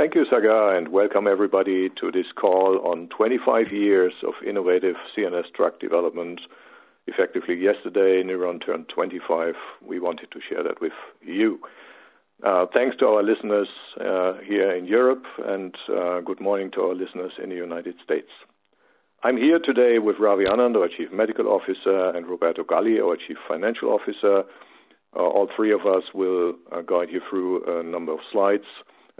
Thank you, Sagar. Welcome everybody to this call on 25 years of innovative CNS drug development. Effectively yesterday, Newron turned 25. We wanted to share that with you. Thanks to our listeners here in Europe, and good morning to our listeners in the U.S. I'm here today with Ravi Anand, our Chief Medical Officer, and Roberto Galli, our Chief Financial Officer. All three of us will guide you through a number of slides.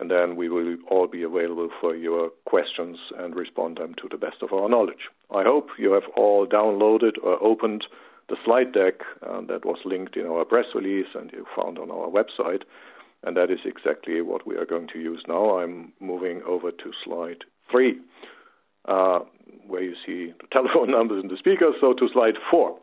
Then we will all be available for your questions and respond to them to the best of our knowledge. I hope you have all downloaded or opened the slide deck that was linked in our press release and you found on our website. That is exactly what we are going to use now. I'm moving over to slide three where you see the telephone numbers and the speakers. To slide four.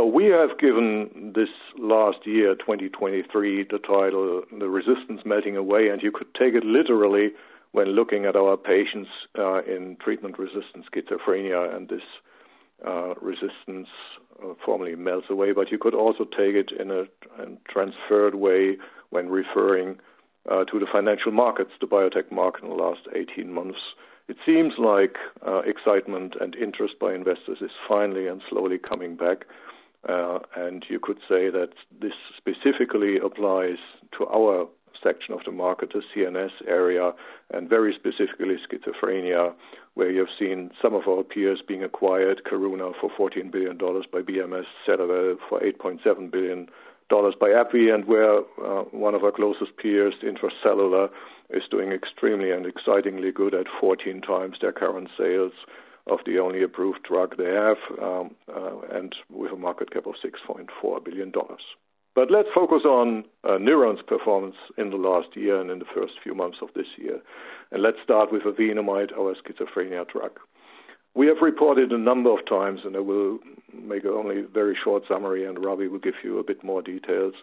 We have given this last year, 2023, the title, The Resistance Melting Away. You could take it literally when looking at our patients in treatment-resistant schizophrenia and this resistance formally melts away. You could also take it in a transferred way when referring to the financial markets, the biotech market in the last 18 months. It seems like excitement and interest by investors is finally and slowly coming back. You could say that this specifically applies to our section of the market, the CNS area, and very specifically schizophrenia, where you've seen some of our peers being acquired, Karuna for $14 billion by BMS, Cerevel for $8.7 billion by AbbVie. Where one of our closest peers, Intra-Cellular, is doing extremely and excitingly good at 14 times their current sales of the only approved drug they have and with a market cap of $6.4 billion. Let's focus on Newron's performance in the last year and in the first few months of this year. Let's start with evenamide, our schizophrenia drug. We have reported a number of times. I will make only a very short summary. Ravi will give you a bit more details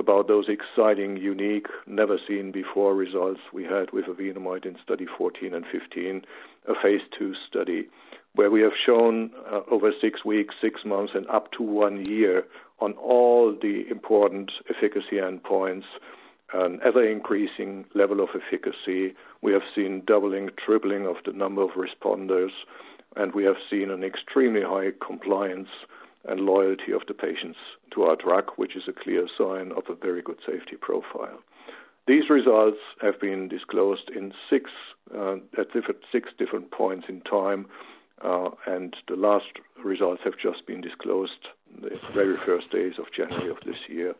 about those exciting, unique, never-seen-before results we had with evenamide in study 14 and 15, a phase II study, where we have shown over six weeks, six months and up to one year on all the important efficacy endpoints, an ever-increasing level of efficacy. We have seen doubling, tripling of the number of responders. We have seen an extremely high compliance and loyalty of the patients to our drug, which is a clear sign of a very good safety profile. These results have been disclosed at six different points in time. The last results have just been disclosed the very first days of January of this year.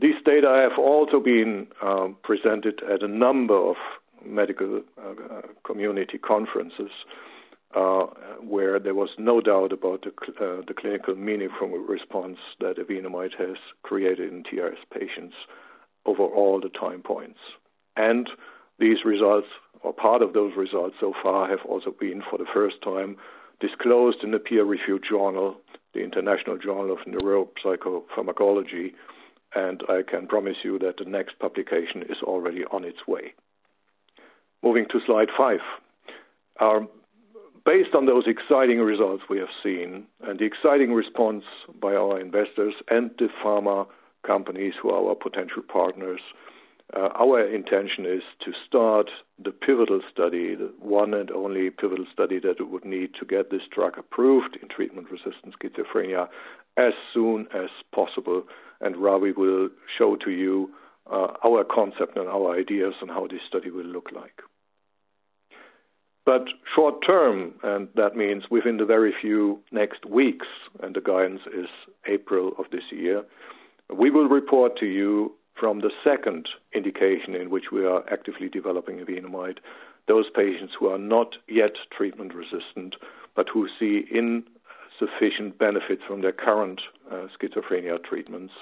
These data have also been presented at a number of medical community conferences where there was no doubt about the clinical meaning from a response that evenamide has created in TRS patients over all the time points. These results or part of those results so far have also been, for the first time, disclosed in a peer-reviewed journal, the International Journal of Neuropsychopharmacology. I can promise you that the next publication is already on its way. Moving to slide five. Based on those exciting results we have seen and the exciting response by our investors and the pharma companies who are our potential partners, our intention is to start the pivotal study, the one and only pivotal study that would need to get this drug approved in treatment-resistant schizophrenia as soon as possible. Ravi will show to you our concept and our ideas on how this study will look like. Short term, and that means within the very few next weeks, and the guidance is April of this year, we will report to you from the second indication in which we are actively developing evenamide, those patients who are not yet treatment resistant, but who see insufficient benefit from their current schizophrenia treatments.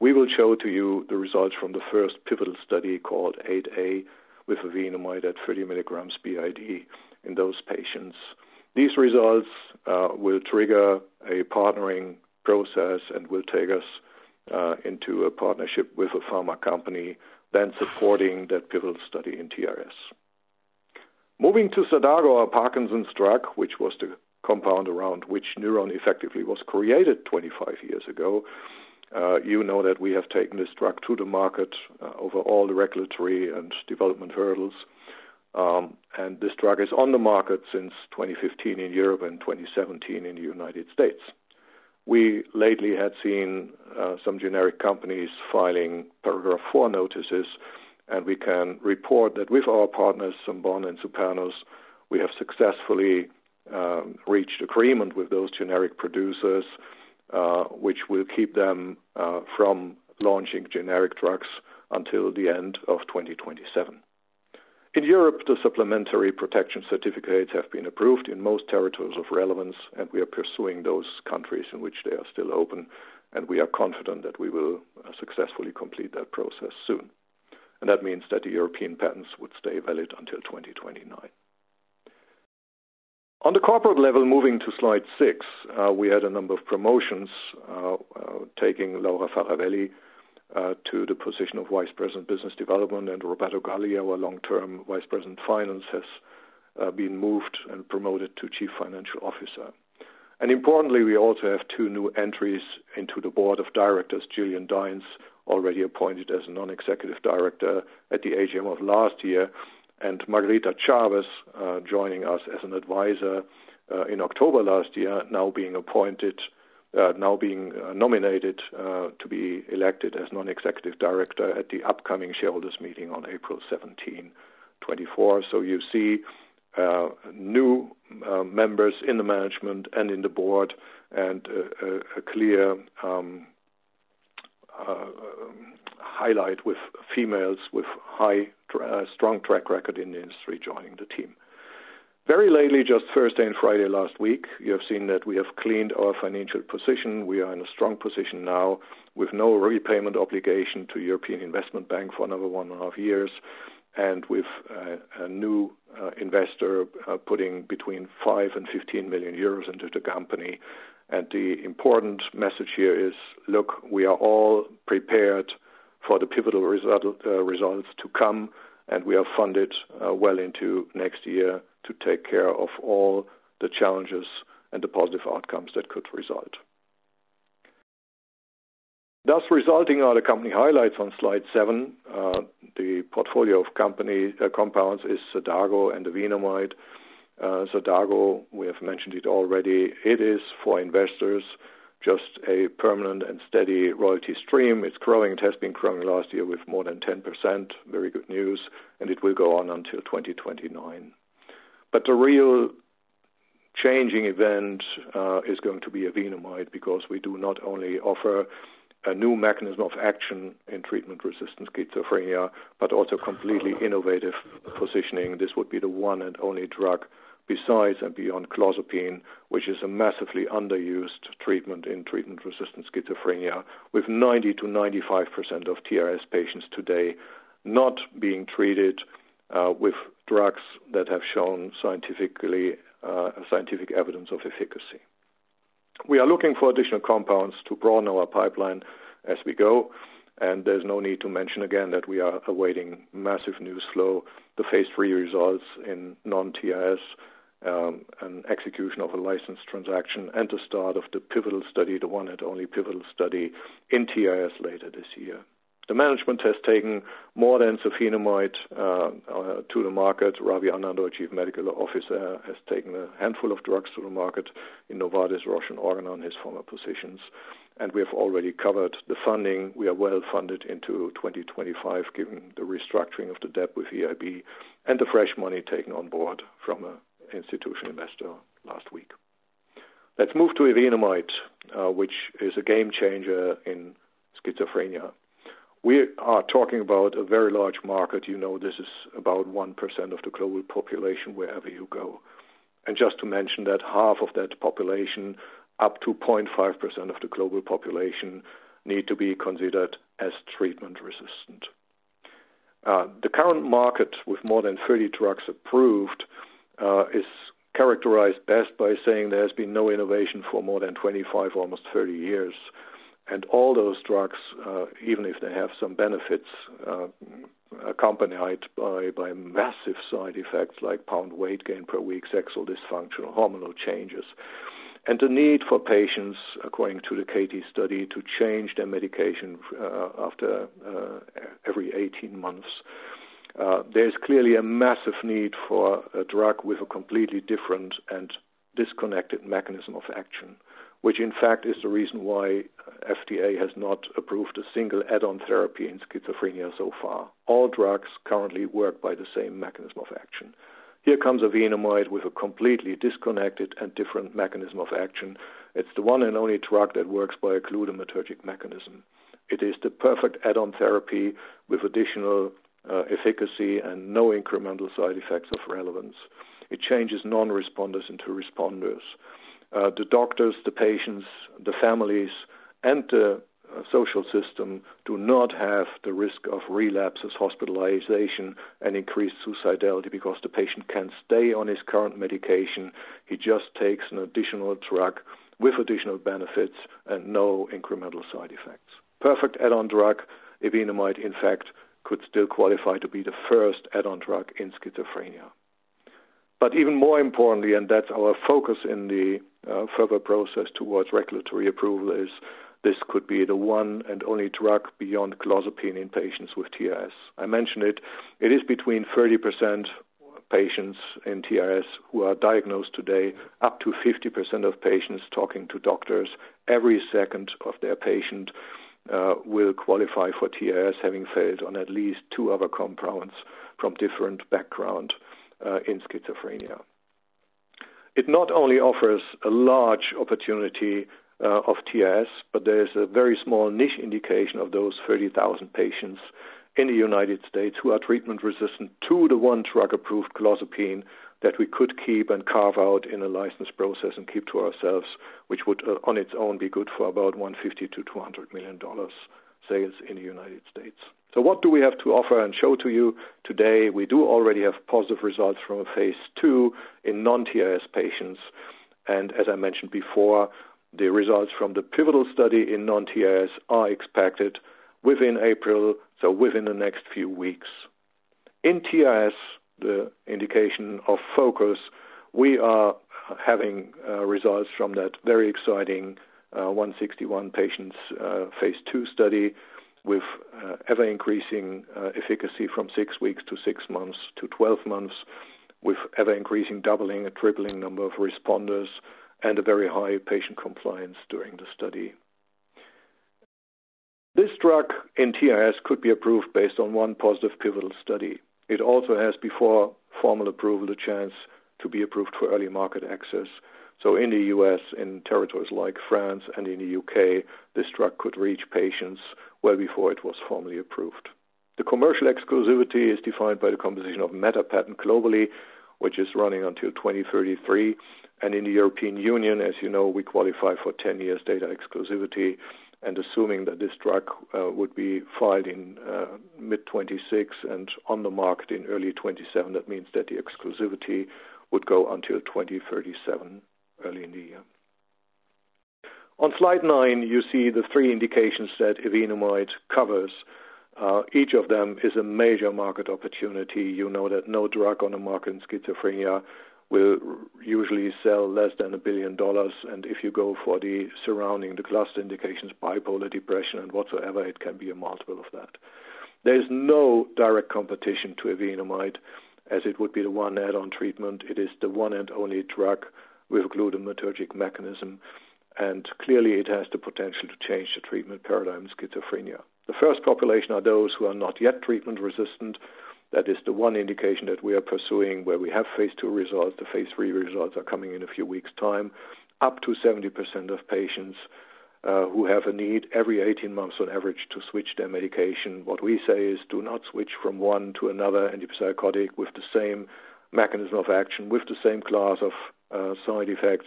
We will show to you the results from the first pivotal study called 008A with evenamide at 30 mg BID in those patients. These results will trigger a partnering process and will take us into a partnership with a pharma company, then supporting that pivotal study in TRS. Moving to Xadago, our Parkinson's drug, which was the compound around which Newron effectively was created 25 years ago. You know that we have taken this drug to the market over all the regulatory and development hurdles and this drug is on the market since 2015 in Europe and 2017 in the U.S. We lately had seen some generic companies filing Paragraph IV notices. We can report that with our partners, Sun Pharma and Supernus, we have successfully reached agreement with those generic producers, which will keep them from launching generic drugs until the end of 2027. In Europe, the supplementary protection certificates have been approved in most territories of relevance. We are pursuing those countries in which they are still open. We are confident that we will successfully complete that process soon. That means that the European patents would stay valid until 2029. On the corporate level, moving to slide six, we had a number of promotions, taking Laura Faravelli to the position of Vice President Business Development. Roberto Galli, our long-term Vice President Finance, has been moved and promoted to Chief Financial Officer. Importantly, we also have two new entries into the board of directors, Gillian Dines, already appointed as a Non-executive director at the AGM of last year. Margarita Chavez, joining us as an Advisor in October last year, now being nominated to be elected as Non-executive director at the upcoming shareholders meeting on April 17, 2024. You see new members in the management and in the board, and a clear highlight with females with high, strong track record in the industry joining the team. Very lately, just Thursday and Friday last week, you have seen that we have cleaned our financial position. We are in a strong position now with no repayment obligation to European Investment Bank for another one and a half years, and with a new investor putting between 5 million and 15 million euros into the company. The important message here is, look, we are all prepared for the pivotal results to come, and we are funded well into next year to take care of all the challenges and the positive outcomes that could result. Thus resulting are the company highlights on slide seven. The portfolio of compounds is Xadago and evenamide. Xadago, we have mentioned it already. It is for investors, just a permanent and steady royalty stream. It is growing and has been growing last year with more than 10%, very good news, and it will go on until 2029. The real changing event is going to be evenamide because we do not only offer a new mechanism of action in treatment-resistant schizophrenia, but also completely innovative positioning. This would be the one and only drug besides and beyond clozapine, which is a massively underused treatment in treatment-resistant schizophrenia, with 90%-95% of TRS patients today not being treated with drugs that have shown scientific evidence of efficacy. We are looking for additional compounds to broaden our pipeline as we go. There is no need to mention again that we are awaiting massive news flow, the phase III results in non-TRS, execution of a license transaction, and the start of the pivotal study, the one and only pivotal study in TRS later this year. The management has taken more than safinamide to the market. Ravi Anand, Chief Medical Officer, has taken a handful of drugs to the market in Novartis, Roche, and Organon, his former positions. We have already covered the funding. We are well-funded into 2025, given the restructuring of the debt with EIB and the fresh money taken on board from an institutional investor last week. Let us move to evenamide, which is a game changer in schizophrenia. We are talking about a very large market. This is about 1% of the global population wherever you go. Just to mention that half of that population, up to 0.5% of the global population, need to be considered as treatment-resistant. The current market, with more than 30 drugs approved, is characterized best by saying there has been no innovation for more than 25, almost 30 years. All those drugs, even if they have some benefits, are accompanied by massive side effects like pound weight gain per week, sexual dysfunction, or hormonal changes. The need for patients, according to the CATIE study, to change their medication after every 18 months. There is clearly a massive need for a drug with a completely different and disconnected mechanism of action, which in fact is the reason why FDA has not approved a single add-on therapy in schizophrenia so far. All drugs currently work by the same mechanism of action. Here comes evenamide with a completely disconnected and different mechanism of action. It is the one and only drug that works by a glutamatergic mechanism. It is the perfect add-on therapy with additional efficacy and no incremental side effects of relevance. It changes non-responders into responders. The doctors, the patients, the families, and the social system do not have the risk of relapse as hospitalization and increased suicidality because the patient can stay on his current medication. He just takes an additional drug with additional benefits and no incremental side effects. Perfect add-on drug, evenamide, in fact, could still qualify to be the first add-on drug in schizophrenia. Even more importantly, and that is our focus in the further process towards regulatory approval, is this could be the one and only drug beyond clozapine in patients with TRS. I mentioned it is between 30% patients in TRS who are diagnosed today, up to 50% of patients talking to doctors, every second of their patient will qualify for TRS, having failed on at least two other compounds from different background in schizophrenia. It not only offers a large opportunity of TRS, but there is a very small niche indication of those 30,000 patients in the U.S. who are treatment-resistant to the one drug-approved clozapine that we could keep and carve out in a license process and keep to ourselves, which would, on its own, be good for about $150 million-$200 million sales in the U.S. What do we have to offer and show to you today? We do already have positive results from a phase II in non-TRS patients. As I mentioned before, the results from the pivotal study in non-TRS are expected within April, within the next few weeks. In TRS, the indication of focus, we are having results from that very exciting 161 patients phase II study with ever-increasing efficacy from six weeks to six months to 12 months, with ever-increasing doubling, tripling number of responders, and a very high patient compliance during the study. This drug in TRS could be approved based on one positive pivotal study. It also has, before formal approval, a chance to be approved for early market access. In the U.S., in territories like France and in the U.K., this drug could reach patients well before it was formally approved. The commercial exclusivity is defined by the composition of matter patent globally, which is running until 2033. In the European Union, as you know, we qualify for 10 years data exclusivity and assuming that this drug would be filed in mid 2026 and on the market in early 2027, that means that the exclusivity would go until 2037, early in the year. On slide nine, you see the three indications that evenamide covers. Each of them is a major market opportunity. You know that no drug on the market in schizophrenia will usually sell less than EUR 1 billion. If you go for the surrounding, the cluster indications, bipolar depression and whatsoever, it can be a multiple of that. There is no direct competition to evenamide as it would be the one add-on treatment. It is the one and only drug with glutamatergic mechanism and clearly it has the potential to change the treatment paradigm in schizophrenia. The first population are those who are not yet treatment resistant. That is the one indication that we are pursuing where we have phase II results. The phase III results are coming in a few weeks' time. Up to 70% of patients who have a need every 18 months on average to switch their medication. What we say is do not switch from one to another antipsychotic with the same mechanism of action, with the same class of side effects.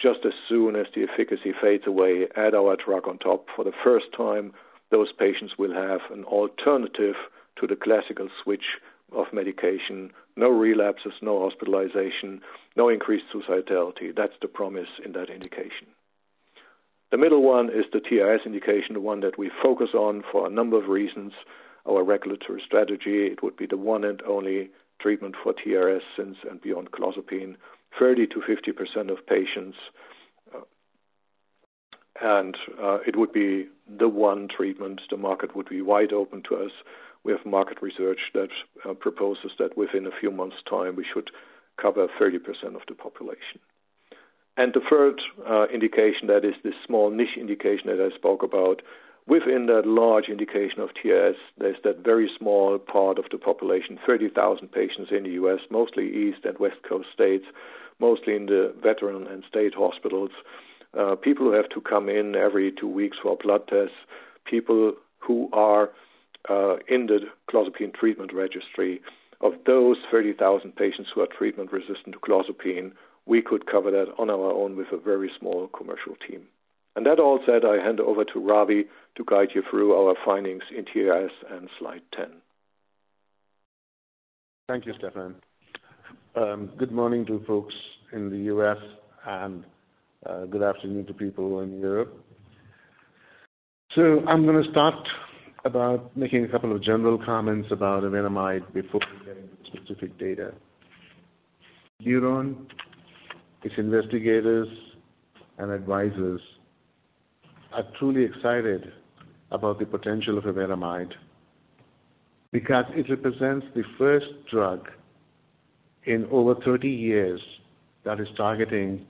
Just as soon as the efficacy fades away, add our drug on top. For the first time, those patients will have an alternative to the classical switch of medication. No relapses, no hospitalization, no increased suicidality. That's the promise in that indication. The middle one is the TRS indication, the one that we focus on for a number of reasons. Our regulatory strategy, it would be the one and only treatment for TRS since and beyond clozapine, 30%-50% of patients. It would be the one treatment. The market would be wide open to us. We have market research that proposes that within a few months' time, we should cover 30% of the population. The third indication, that is this small niche indication that I spoke about. Within that large indication of TRS, there's that very small part of the population, 30,000 patients in the U.S., mostly East and West Coast states, mostly in the veteran and state hospitals. People who have to come in every two weeks for blood tests, people who are in the clozapine treatment registry. Of those 30,000 patients who are treatment resistant to clozapine, we could cover that on our own with a very small commercial team. That all said, I hand over to Ravi to guide you through our findings in TRS and slide 10. Thank you, Stefan. Good morning to folks in the U.S. and good afternoon to people in Europe. I'm going to start about making a couple of general comments about evenamide before we get into specific data. Newron, its investigators, and advisors are truly excited about the potential of evenamide because it represents the first drug in over 30 years that is targeting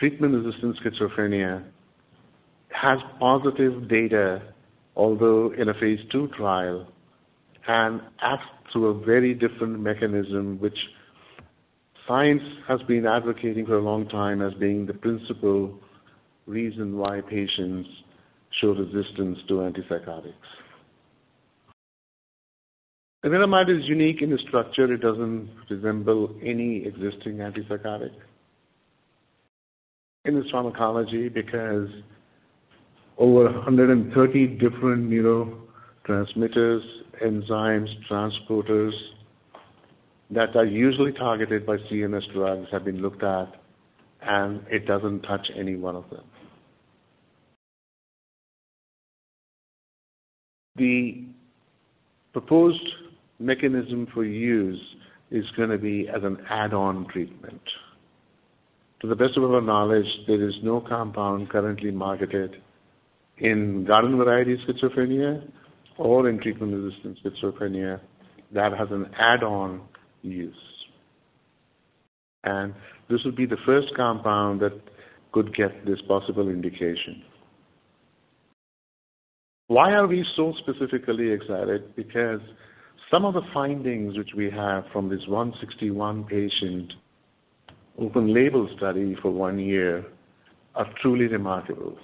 treatment-resistant schizophrenia, has positive data, although in a phase II trial, and acts through a very different mechanism which science has been advocating for a long time as being the principal reason why patients show resistance to antipsychotics. Evenamide is unique in its structure. It doesn't resemble any existing antipsychotic in its pharmacology because over 130 different neurotransmitters, enzymes, transporters that are usually targeted by CNS drugs have been looked at, and it doesn't touch any one of them. The proposed mechanism for use is going to be as an add-on treatment. To the best of our knowledge, there is no compound currently marketed in garden variety schizophrenia or in treatment-resistant schizophrenia that has an add-on use. This would be the first compound that could get this possible indication. Why are we so specifically excited? Because some of the findings which we have from this 161-patient open label study for one year are truly remarkable.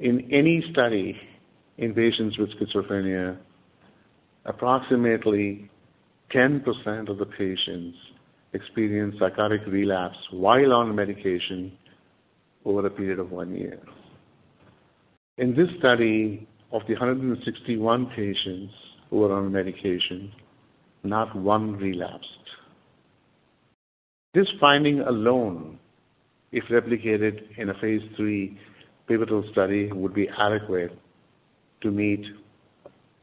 In any study in patients with schizophrenia, approximately 10% of the patients experience psychotic relapse while on medication over a period of one year. In this study of the 161 patients who are on medication, not one relapsed. This finding alone, if replicated in a phase III pivotal study, would be adequate to meet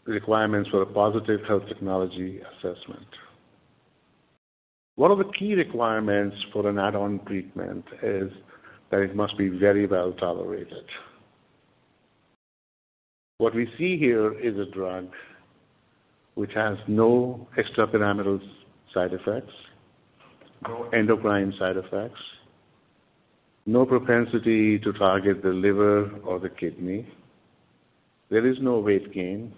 the requirements for a positive health technology assessment. One of the key requirements for an add-on treatment is that it must be very well-tolerated. What we see here is a drug which has no extrapyramidal side effects, no endocrine side effects, no propensity to target the liver or the kidney. There is no weight gain.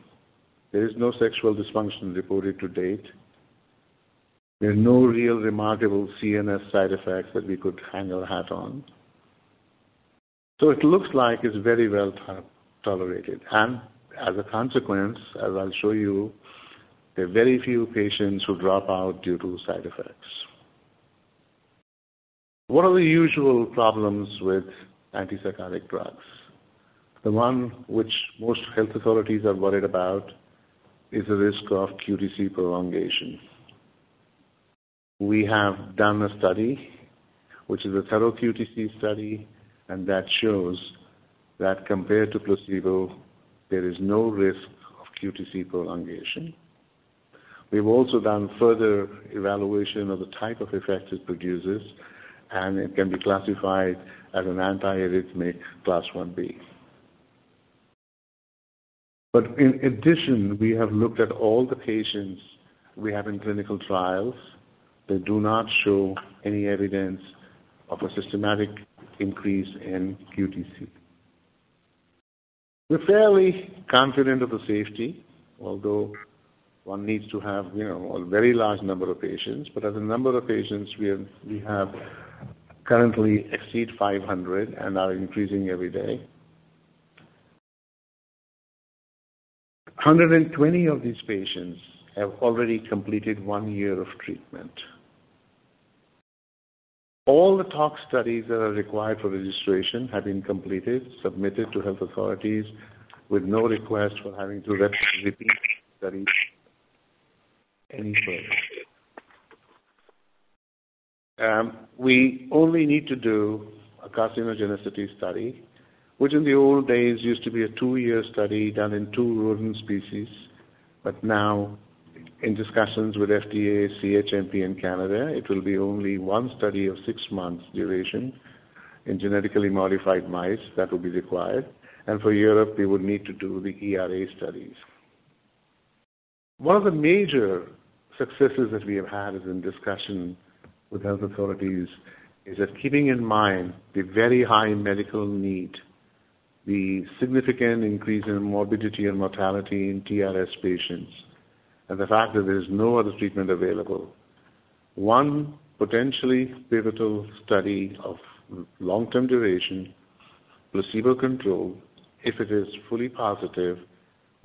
There is no sexual dysfunction reported to date. There are no real remarkable CNS side effects that we could hang our hat on. It looks like it is very well-tolerated, and as a consequence, as I will show you, there are very few patients who drop out due to side effects. One of the usual problems with antipsychotic drugs, the one which most health authorities are worried about, is the risk of QTc prolongation. We have done a study, which is a thorough QTc study, and that shows that compared to placebo, there is no risk of QTc prolongation. We've also done further evaluation of the type of effect it produces, it can be classified as an antiarrhythmic Class Ib. In addition, we have looked at all the patients we have in clinical trials. They do not show any evidence of a systematic increase in QTc. We're fairly confident of the safety, although one needs to have a very large number of patients. As the number of patients we have currently exceed 500 and are increasing every day. 120 of these patients have already completed one year of treatment. All the tox studies that are required for registration have been completed, submitted to health authorities with no request for having to repeat studies any further. We only need to do a carcinogenicity study, which in the old days used to be a two-year study done in two rodent species. Now, in discussions with FDA, CHMP in Canada, it will be only one study of six months duration in genetically modified mice that will be required. For Europe, we would need to do the ERA studies. One of the major successes that we have had is in discussion with health authorities is that keeping in mind the very high medical need, the significant increase in morbidity and mortality in TRS patients, and the fact that there is no other treatment available, one potentially pivotal study of long-term duration, placebo-controlled, if it is fully positive,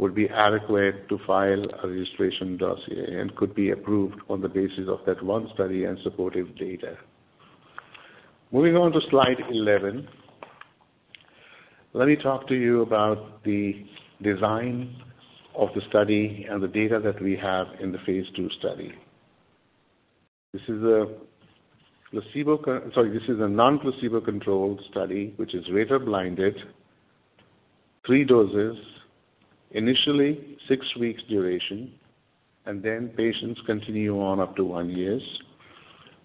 would be adequate to file a registration dossier and could be approved on the basis of that one study and supportive data. Moving on to slide 11. Let me talk to you about the design of the study and the data that we have in the phase II study. This is a non-placebo-controlled study, which is rater blinded, three doses, initially six weeks duration, then patients continue on up to one year.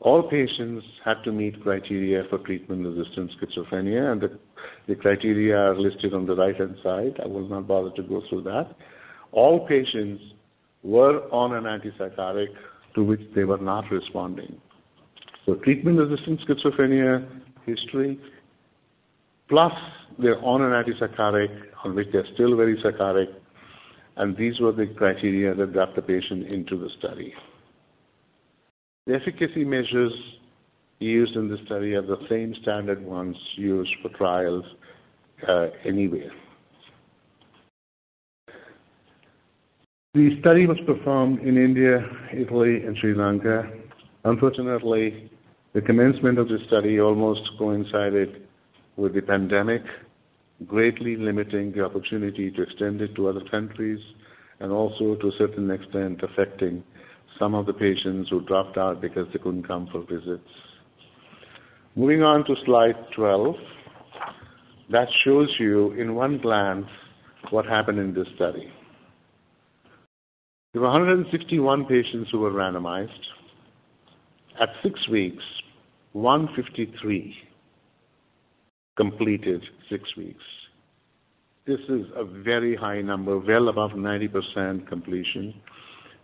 All patients had to meet criteria for treatment-resistant schizophrenia, the criteria are listed on the right-hand side. I will not bother to go through that. All patients were on an antipsychotic to which they were not responding. Treatment-resistant schizophrenia history, plus they're on an antipsychotic on which they're still very psychotic, these were the criteria that got the patient into the study. The efficacy measures used in the study are the same standard ones used for trials anywhere. The study was performed in India, Italy, and Sri Lanka. Unfortunately, the commencement of the study almost coincided with the pandemic, greatly limiting the opportunity to extend it to other countries, and also to a certain extent, affecting some of the patients who dropped out because they couldn't come for visits. Moving on to slide 12. That shows you in one glance what happened in this study. There were 161 patients who were randomized. At six weeks, 153 completed six weeks. This is a very high number, well above 90% completion.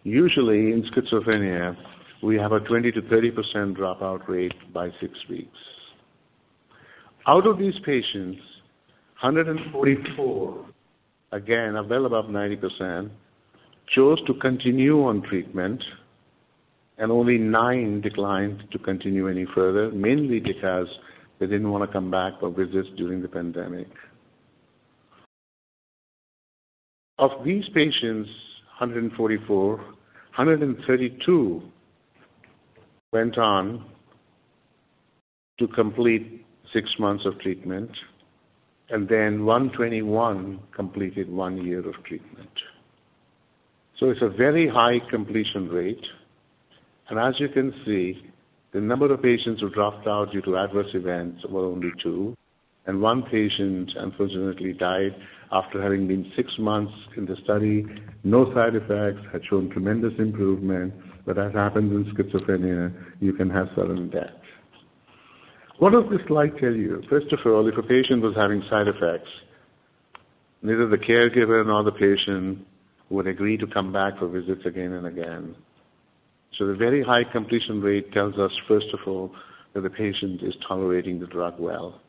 Usually, in schizophrenia, we have a 20% to 30% dropout rate by six weeks. Out of these patients, 144, again, well above 90%, chose to continue on treatment, and only nine declined to continue any further, mainly because they didn't want to come back for visits during the pandemic. Of these patients, 144, 132 went on to complete six months of treatment, 121 completed one year of treatment. It's a very high completion rate. As you can see, the number of patients who dropped out due to adverse events were only two, and one patient unfortunately died after having been six months in the study. No side effects, had shown tremendous improvement, but as happens in schizophrenia, you can have sudden death. What does this slide tell you? First of all, if a patient was having side effects, neither the caregiver nor the patient would agree to come back for visits again and again. The very high completion rate tells us, first of all, that the patient is tolerating the drug well.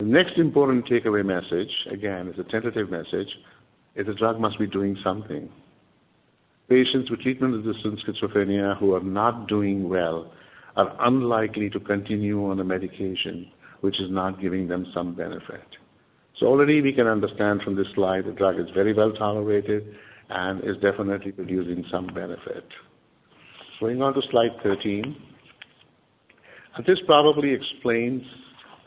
The next important takeaway message, again, is a tentative message, is the drug must be doing something. Patients with treatment-resistant schizophrenia who are not doing well are unlikely to continue on a medication which is not giving them some benefit. Already we can understand from this slide the drug is very well-tolerated and is definitely producing some benefit. Going on to slide 13. This probably explains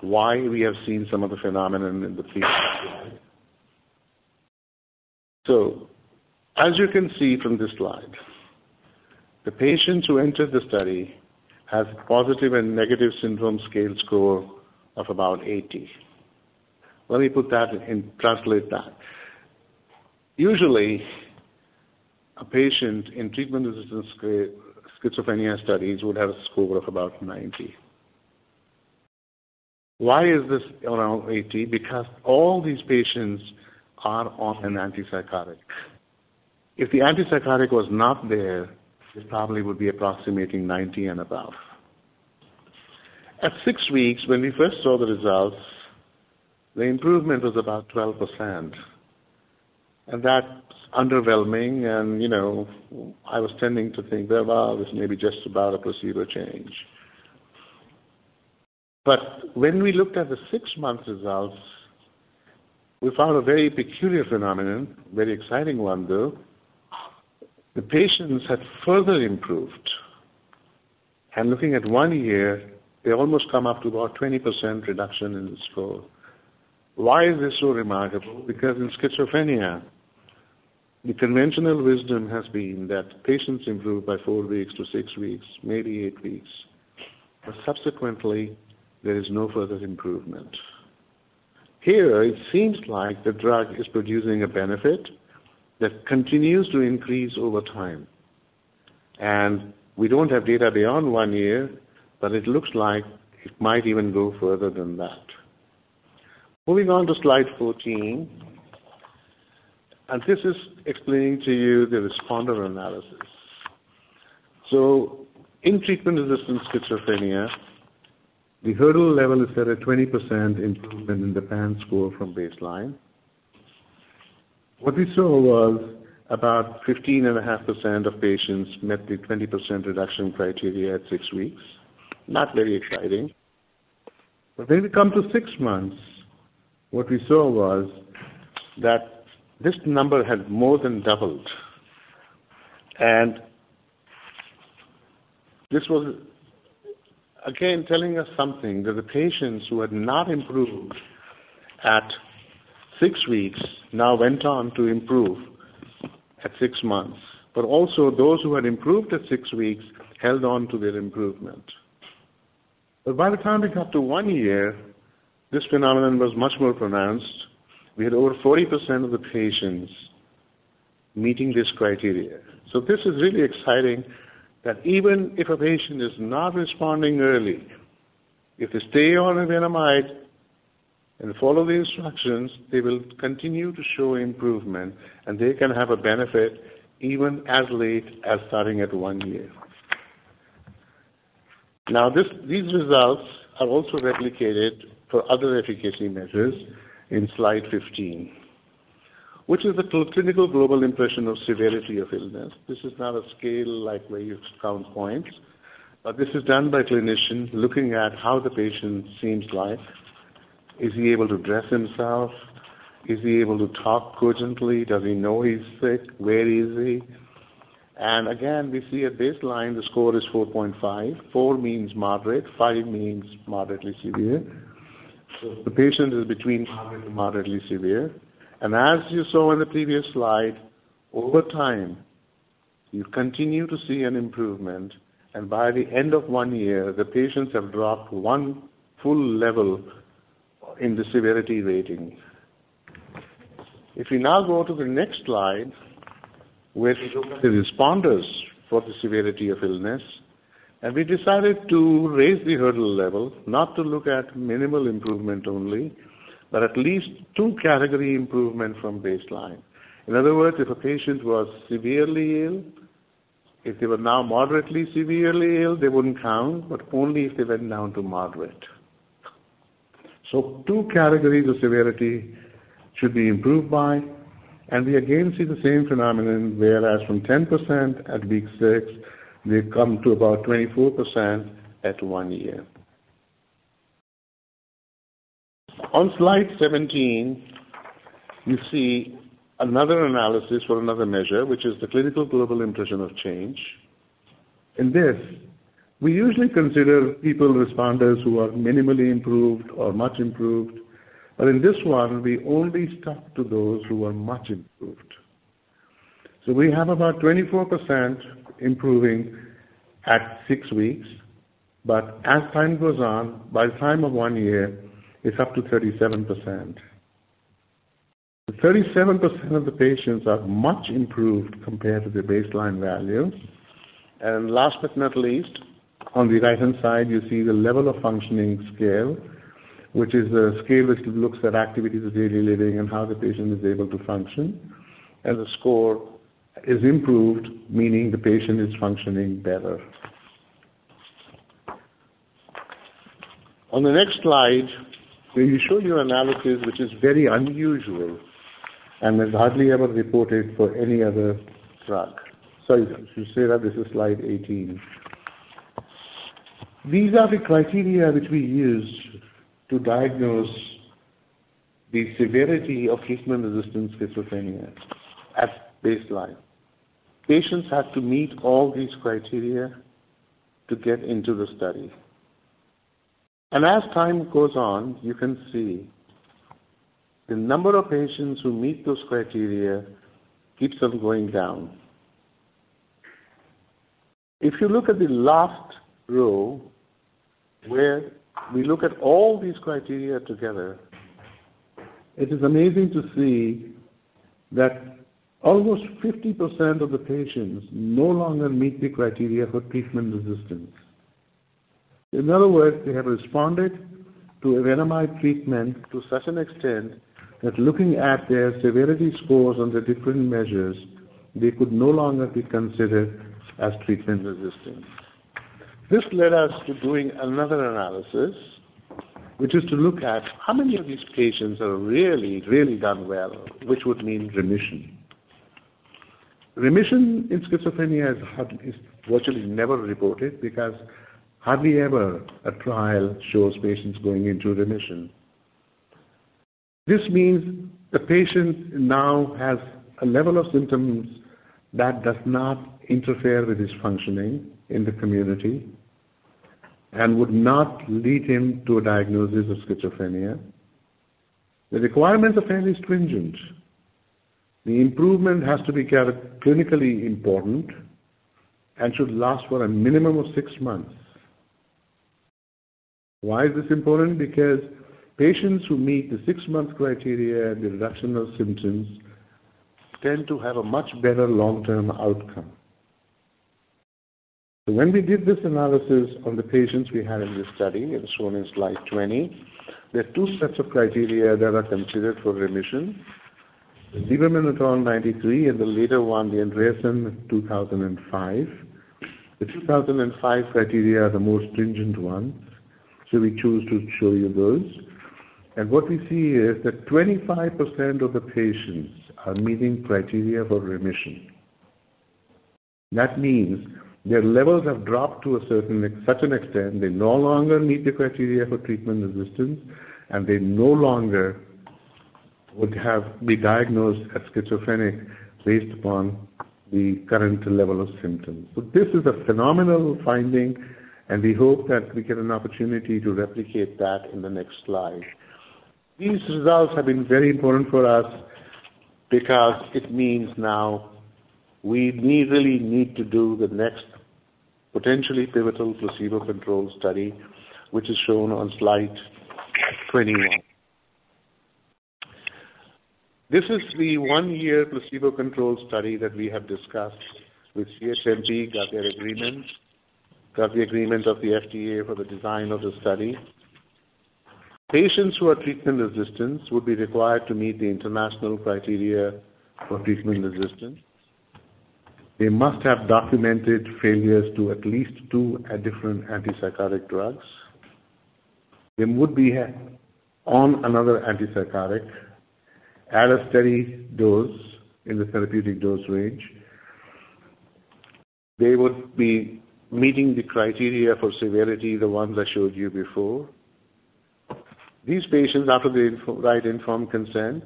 why we have seen some of the phenomenon in the previous slide. As you can see from this slide, the patients who entered the study have positive and negative symptom scale score of about 80. Let me put that and translate that. Usually, a patient in treatment-resistant schizophrenia studies would have a score of about 90. Why is this around 80? Because all these patients are on an antipsychotic. If the antipsychotic was not there, this probably would be approximating 90 and above. At six weeks, when we first saw the results, the improvement was about 12%, that's underwhelming, I was tending to think, "Well, this may be just about a placebo change." When we looked at the six months results, we found a very peculiar phenomenon, very exciting one, though. The patients had further improved. Looking at one year, they almost come up to about 20% reduction in the score. Why is this so remarkable? Because in schizophrenia, the conventional wisdom has been that patients improve by four weeks to six weeks, maybe eight weeks, but subsequently, there is no further improvement. Here, it seems like the drug is producing a benefit that continues to increase over time. We don't have data beyond one year, but it looks like it might even go further than that. Moving on to slide 14. This is explaining to you the responder analysis. In treatment-resistant schizophrenia, the hurdle level is set at 20% improvement in the PANSS score from baseline. What we saw was about 15.5% of patients met the 20% reduction criteria at six weeks. Not very exciting. When we come to six months, what we saw was that this number had more than doubled. This was, again, telling us something, that the patients who had not improved at six weeks now went on to improve at six months. Also, those who had improved at six weeks held on to their improvement. By the time we got to one year, this phenomenon was much more pronounced. We had over 40% of the patients meeting this criteria. This is really exciting that even if a patient is not responding early, if they stay on evenamide and follow the instructions, they will continue to show improvement, and they can have a benefit even as late as starting at one year. These results are also replicated for other efficacy measures in slide 15, which is the clinical global impression of severity of illness. This is not a scale like where you count points. This is done by a clinician looking at how the patient seems like. Is he able to dress himself? Is he able to talk cogently? Does he know he's sick? Where is he? Again, we see a baseline. The score is 4.5. Four means moderate, five means moderately severe. The patient is between moderate and moderately severe. As you saw in the previous slide, over time, you continue to see an improvement, and by the end of one year, the patients have dropped one full level in the severity rating. If we now go to the next slide, which look at the responders for the severity of illness, and we decided to raise the hurdle level, not to look at minimal improvement only, but at least 2 category improvement from baseline. In other words, if a patient was severely ill, if they were now moderately severely ill, they wouldn't count, but only if they went down to moderate. 2 categories of severity should be improved by. We again see the same phenomenon, whereas from 10% at week six, we've come to about 24% at one year. On slide 17, you see another analysis for another measure, which is the clinical global impression of change. In this, we usually consider people responders who are minimally improved or much improved. In this one, we only stuck to those who were much improved. We have about 24% improving at six weeks, but as time goes on, by the time of one year, it's up to 37%. 37% of the patients are much improved compared to their baseline value. Last but not least, on the right-hand side, you see the level of functioning scale, which is a scale which looks at activities of daily living and how the patient is able to function. The score is improved, meaning the patient is functioning better. On the next slide, we show you analysis, which is very unusual and was hardly ever reported for any other drug. Sorry, I should say that this is slide 18. These are the criteria which we use to diagnose the severity of treatment-resistant schizophrenia at baseline. Patients have to meet all these criteria to get into the study. As time goes on, you can see the number of patients who meet those criteria keeps on going down. If you look at the last row, where we look at all these criteria together, it is amazing to see that almost 50% of the patients no longer meet the criteria for treatment resistance. In other words, they have responded to evenamide treatment to such an extent that looking at their severity scores on the different measures, they could no longer be considered as treatment-resistant. This led us to doing another analysis, which is to look at how many of these patients have really done well, which would mean remission. Remission in schizophrenia is virtually never reported because hardly ever a trial shows patients going into remission. This means the patient now has a level of symptoms that does not interfere with his functioning in the community and would not lead him to a diagnosis of schizophrenia. The requirements are fairly stringent. The improvement has to be clinically important and should last for a minimum of six months. Why is this important? Because patients who meet the six-month criteria, the reduction of symptoms, tend to have a much better long-term outcome. When we did this analysis on the patients we had in this study, as shown in slide 20, there are two sets of criteria that are considered for remission. The Lieberman et al., 1993 and the later one, the Andreasen et al., 2005. The 2005 criteria are the most stringent ones, we choose to show you those. What we see is that 25% of the patients are meeting criteria for remission. That means their levels have dropped to such an extent they no longer meet the criteria for treatment resistance, and they no longer would have be diagnosed as schizophrenic based upon the current level of symptoms. This is a phenomenal finding, and we hope that we get an opportunity to replicate that in the next slide. These results have been very important for us because it means now we really need to do the next potentially pivotal placebo-controlled study, which is shown on slide 21. This is the 1-year placebo-controlled study that we have discussed with CHMP, got their agreement, got the agreement of the FDA for the design of the study. Patients who are treatment-resistant would be required to meet the international criteria for treatment resistance. They must have documented failures to at least two different antipsychotic drugs. They would be on another antipsychotic at a steady dose in the therapeutic dose range. They would be meeting the criteria for severity, the ones I showed you before. These patients, after they write informed consent,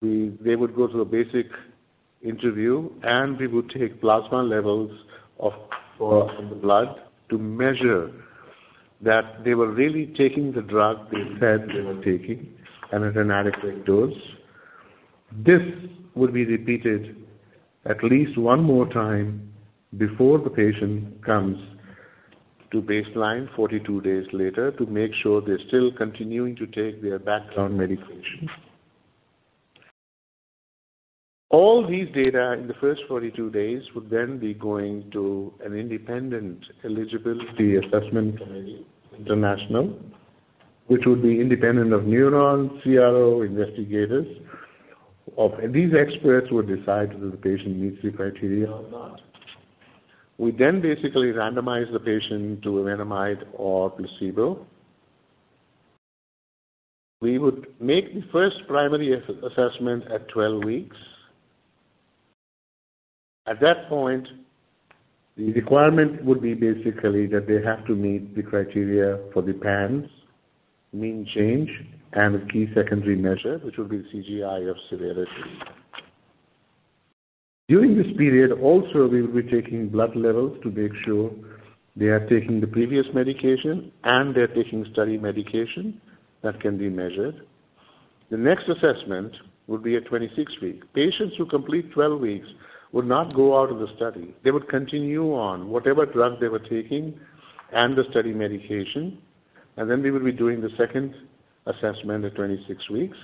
they would go through a basic interview, and we would take plasma levels of the blood to measure that they were really taking the drug they said they were taking and at an adequate dose. This would be repeated at least one more time before the patient comes to baseline 42 days later to make sure they're still continuing to take their background medication. All these data in the first 42 days would then be going to an independent eligibility assessment committee, international. Which would be independent of Newron CRO investigators. These experts would decide whether the patient meets the criteria or not. We then basically randomize the patient to evenamide or placebo. We would make the first primary assessment at 12 weeks. At that point, the requirement would be basically that they have to meet the criteria for the PANSS mean change and the key secondary measure, which will be the CGI of severity. During this period also, we will be taking blood levels to make sure they are taking the previous medication and they're taking study medication. That can be measured. The next assessment will be at 26 weeks. Patients who complete 12 weeks will not go out of the study. They would continue on whatever drug they were taking and the study medication, and then we will be doing the second assessment at 26 weeks.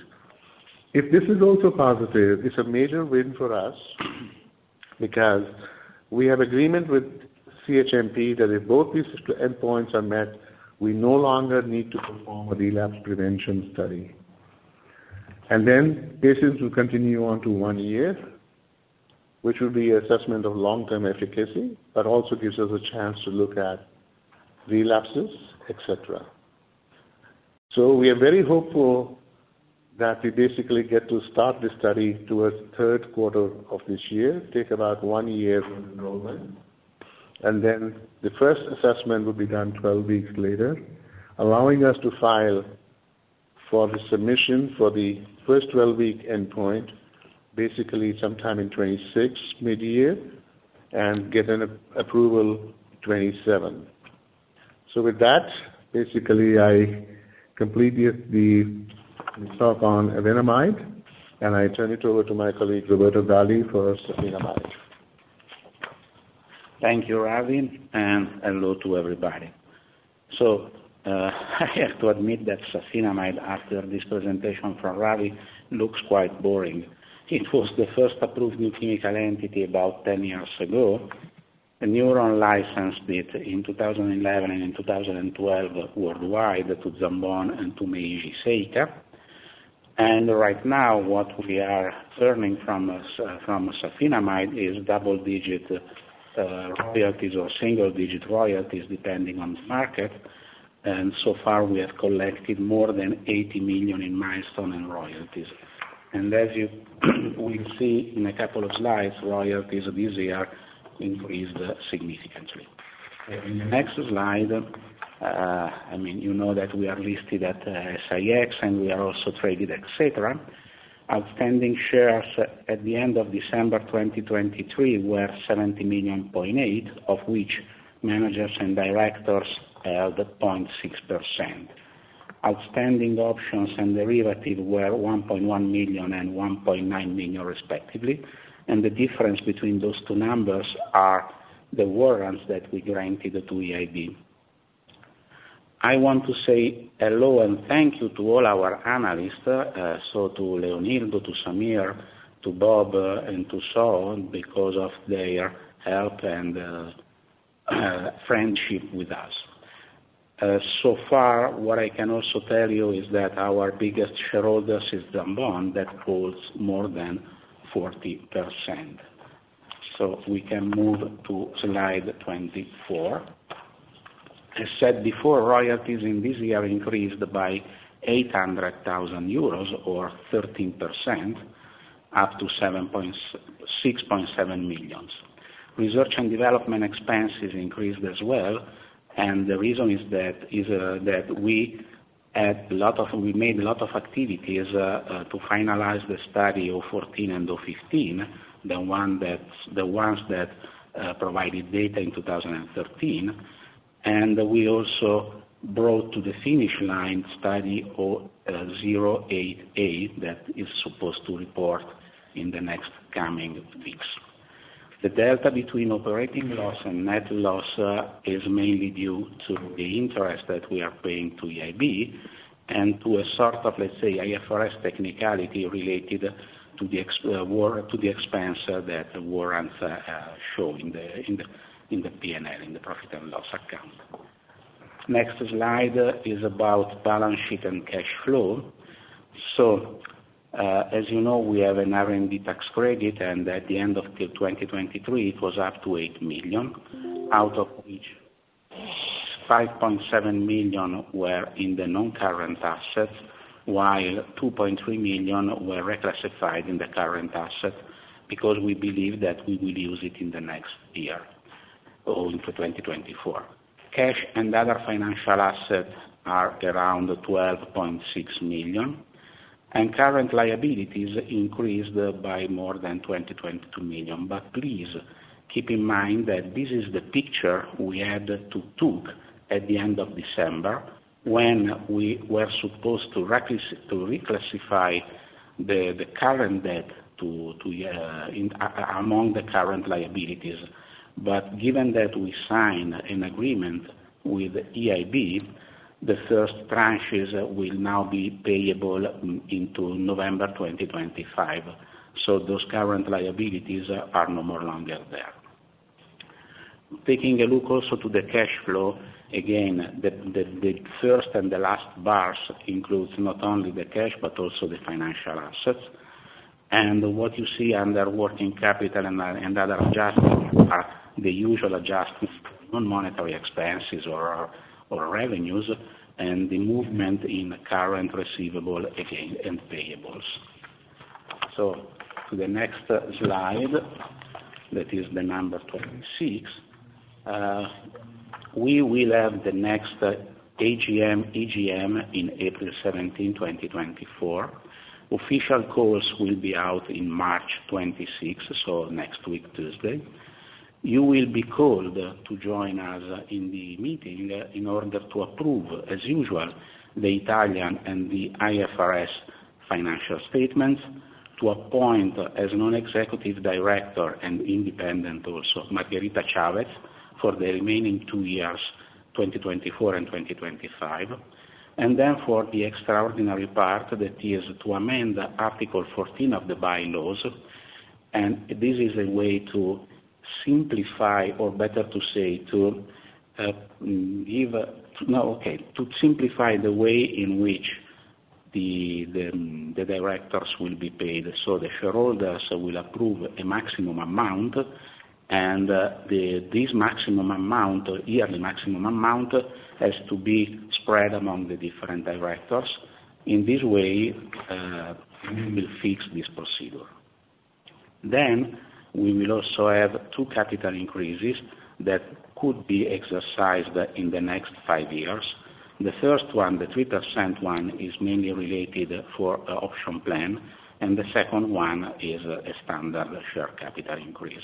If this is also positive, it's a major win for us because we have agreement with CHMP that if both these two endpoints are met, we no longer need to perform a relapse prevention study. Patients will continue on to one year, which will be assessment of long-term efficacy, but also gives us a chance to look at relapses, et cetera. We are very hopeful that we basically get to start the study towards third quarter of this year, take about one year for enrollment, and then the first assessment will be done 12 weeks later, allowing us to file for the submission for the first 12-week endpoint, basically sometime in 2026, mid-year, and get an approval 2027. With that, basically I completed the talk on evenamide, and I turn it over to my colleague, Roberto Galli, for safinamide. Thank you, Ravi, and hello to everybody. I have to admit that safinamide, after this presentation from Ravi, looks quite boring. It was the first approved new chemical entity about 10 years ago. Newron licensed it in 2011 and in 2012 worldwide to Zambon and to Meiji Seika. Right now, what we are earning from safinamide is double-digit royalties or single-digit royalties, depending on the market. So far, we have collected more than $80 million in milestone and royalties. As you will see in a couple of slides, royalties this year increased significantly. In the next slide, you know that we are listed at SIX, and we are also traded, et cetera. Outstanding shares at the end of December 2023 were 70.8 million, of which managers and directors held 0.6%. Outstanding options and derivative were 1.1 million and 1.9 million, respectively. The difference between those two numbers are the warrants that we granted to EIB. I want to say hello and thank you to all our analysts. To Leonildo, to Samir, to Bob, and to Sean, because of their help and friendship with us. So far what I can also tell you is that our biggest shareholder is Zambon, that holds more than 40%. We can move to slide 24. I said before, royalties in this year increased by 800,000 euros or 13%, up to 6.7 million. Research and development expenses increased as well, and the reason is that we made a lot of activities to finalize the study of 014 and 015, the ones that provided data in 2013. We also brought to the finish line study 088A, that is supposed to report in the next coming weeks. The delta between operating loss and net loss is mainly due to the interest that we are paying to EIB and to a sort of, let's say, IFRS technicality related to the expense that warrants show in the P&L, in the profit and loss account. Next slide is about balance sheet and cash flow. As you know, we have an R&D tax credit, and at the end of 2023, it was up to 8 million. Out of which 5.7 million were in the non-current assets, while 2.3 million were reclassified in the current asset because we believe that we will use it in the next year or into 2024. Cash and other financial assets are around 12.6 million, and current liabilities increased by more than 2,022 million. Please keep in mind that this is the picture we had to take at the end of December, when we were supposed to reclassify the current debt among the current liabilities. Given that we signed an agreement with EIB, the first tranches will now be payable into November 2025. Those current liabilities are no more longer there. Taking a look also to the cash flow. Again, the first and the last bars includes not only the cash, but also the financial assets. What you see under working capital and other adjustments are the usual adjustments on monetary expenses or revenues and the movement in current receivables and payables. To the next slide. That is the number 26. We will have the next AGM/EGM on April 17, 2024. Official calls will be out on March 26, next week, Tuesday. You will be called to join us in the meeting in order to approve, as usual, the Italian and the IFRS financial statements, to appoint as non-executive director and independent also, Margherita Chavez for the remaining two years, 2024 and 2025. For the extraordinary part that is to amend Article 14 of the bylaws, and this is a way to simplify or better to say to give to simplify the way in which the directors will be paid. The shareholders will approve a maximum amount, and this maximum amount, or yearly maximum amount, has to be spread among the different directors. In this way, we will fix this procedure. We will also have two capital increases that could be exercised in the next five years. The first one, the 3% one, is mainly related for option plan, and the second one is a standard share capital increase.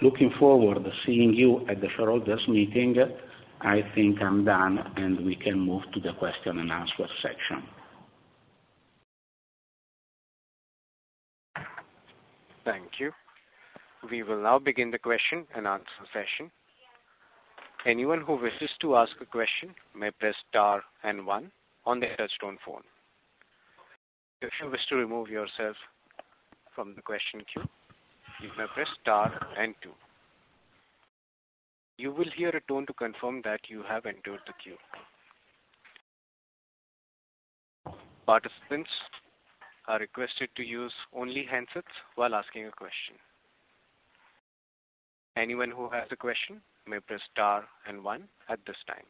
Looking forward to seeing you at the shareholders meeting. I think I'm done, and we can move to the question and answer section. Thank you. We will now begin the question and answer session. Anyone who wishes to ask a question may press star and one on their touch-tone phone. If you wish to remove yourself from the question queue, you may press star and two. You will hear a tone to confirm that you have entered the queue. Participants are requested to use only handsets while asking a question. Anyone who has a question may press star and one at this time.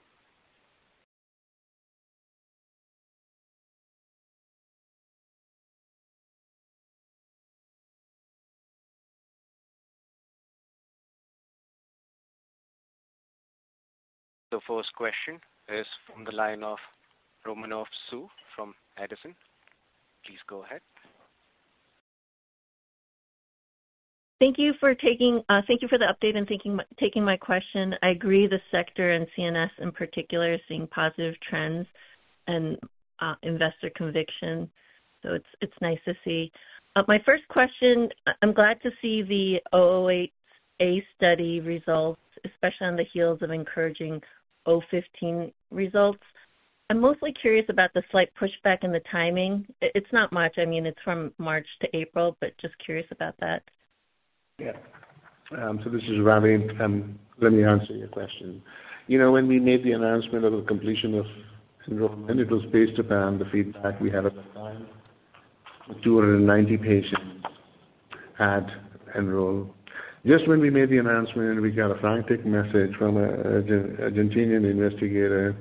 The first question is from the line of Romanoff Soo from Edison. Please go ahead. Thank you for the update and taking my question. I agree the sector and CNS in particular are seeing positive trends and investor conviction. It's nice to see. My first question, I'm glad to see the 008A study results, especially on the heels of encouraging 015 results. I'm mostly curious about the slight pushback in the timing. It's not much. It's from March to April, just curious about that. This is Ravi. Let me answer your question. When we made the announcement of the completion of enrollment, it was based upon the feedback we had at that time. 290 patients had enrolled. Just when we made the announcement, we got a frantic message from an Argentinian investigator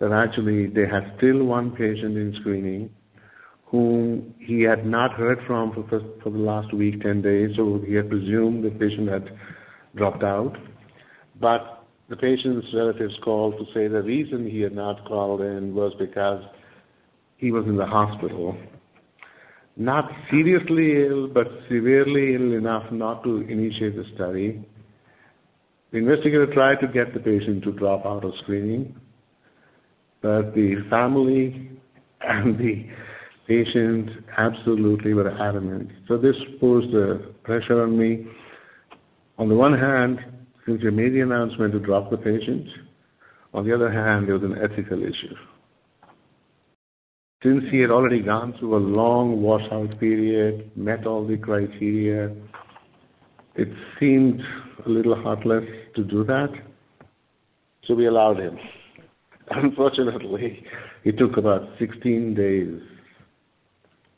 that actually they had still one patient in screening whom he had not heard from for the last week, 10 days. He had presumed the patient had dropped out. The patient's relatives called to say the reason he had not called in was because he was in the hospital, not seriously ill, but severely ill enough not to initiate the study. The investigator tried to get the patient to drop out of screening, but the family and the patient absolutely were adamant. This posed a pressure on me. On the one hand, since we made the announcement to drop the patient, on the other hand, it was an ethical issue. Since he had already gone through a long washout period, met all the criteria, it seemed a little heartless to do that, we allowed him. Unfortunately, it took about 16 days.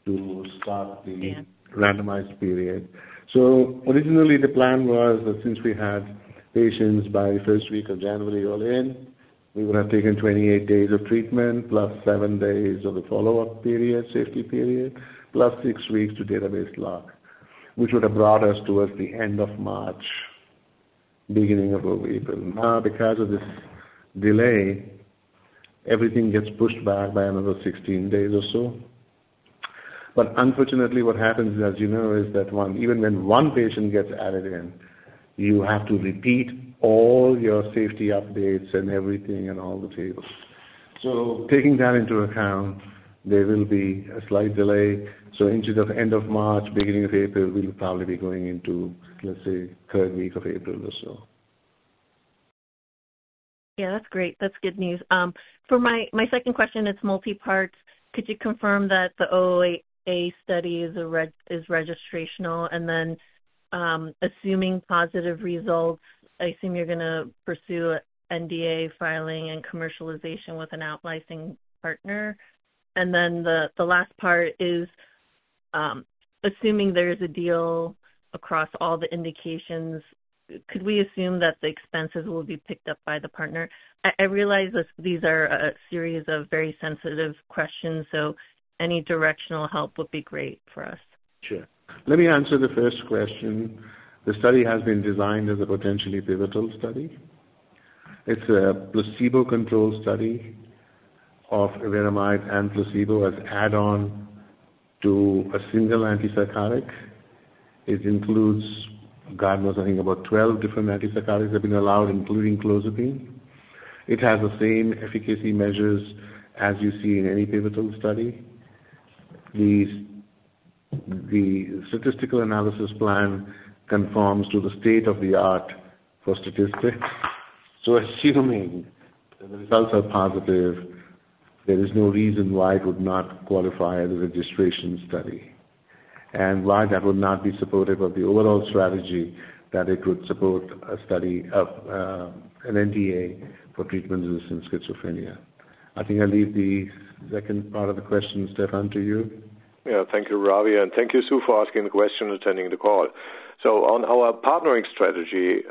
Yeah randomized period. Originally the plan was that since we had patients by the first week of January all in, we would have taken 28 days of treatment plus seven days of the follow-up period, safety period, plus six weeks to database lock, which would have brought us towards the end of March, beginning of early April. Because of this delay, everything gets pushed back by another 16 days or so. Unfortunately, what happens is, as you know, is that even when one patient gets added in, you have to repeat all your safety updates and everything and all the tables. Taking that into account, there will be a slight delay. Instead of end of March, beginning of April, we'll probably be going into, let's say, third week of April or so. Yeah, that's great. That's good news. For my second question, it's multi-part. Could you confirm that the 008A study is registrational? Assuming positive results, I assume you're going to pursue NDA filing and commercialization with an out licensing partner. The last part is, assuming there is a deal across all the indications, could we assume that the expenses will be picked up by the partner? I realize these are a series of very sensitive questions, any directional help would be great for us. Sure. Let me answer the first question. The study has been designed as a potentially pivotal study. It's a placebo-controlled study of evenamide and placebo as add-on to a single antipsychotic. It includes, God knows, I think about 12 different antipsychotics have been allowed, including clozapine. It has the same efficacy measures as you see in any pivotal study. The statistical analysis plan conforms to the state-of-the-art for statistics. Assuming the results are positive, there is no reason why it would not qualify as a registration study and why that would not be supportive of the overall strategy that it would support a study of an NDA for treatment-resistant schizophrenia. I think I leave the second part of the question, Stefan, to you. Yeah. Thank you, Ravi, and thank you, Sue, for asking the question, attending the call. On our partnering strategy,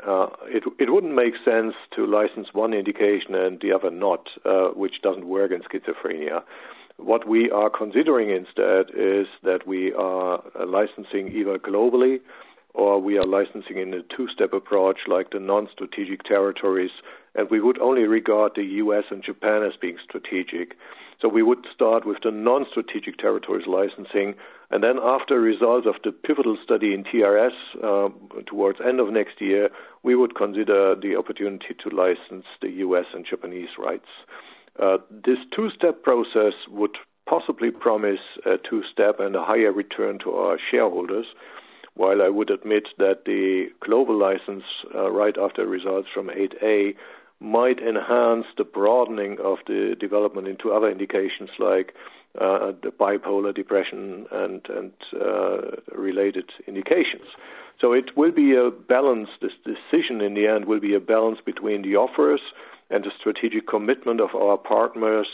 it wouldn't make sense to license one indication and the other not, which doesn't work in schizophrenia. What we are considering instead is that we are licensing either globally or we are licensing in a two-step approach like the non-strategic territories, and we would only regard the U.S. and Japan as being strategic. We would start with the non-strategic territories licensing, and then after results of the pivotal study in TRS towards end of next year, we would consider the opportunity to license the U.S. and Japanese rights. This two-step process would possibly promise a two-step and a higher return to our shareholders. While I would admit that the global license right after results from study 008A might enhance the broadening of the development into other indications like bipolar depression and related indications. This decision, in the end, will be a balance between the offers and the strategic commitment of our partners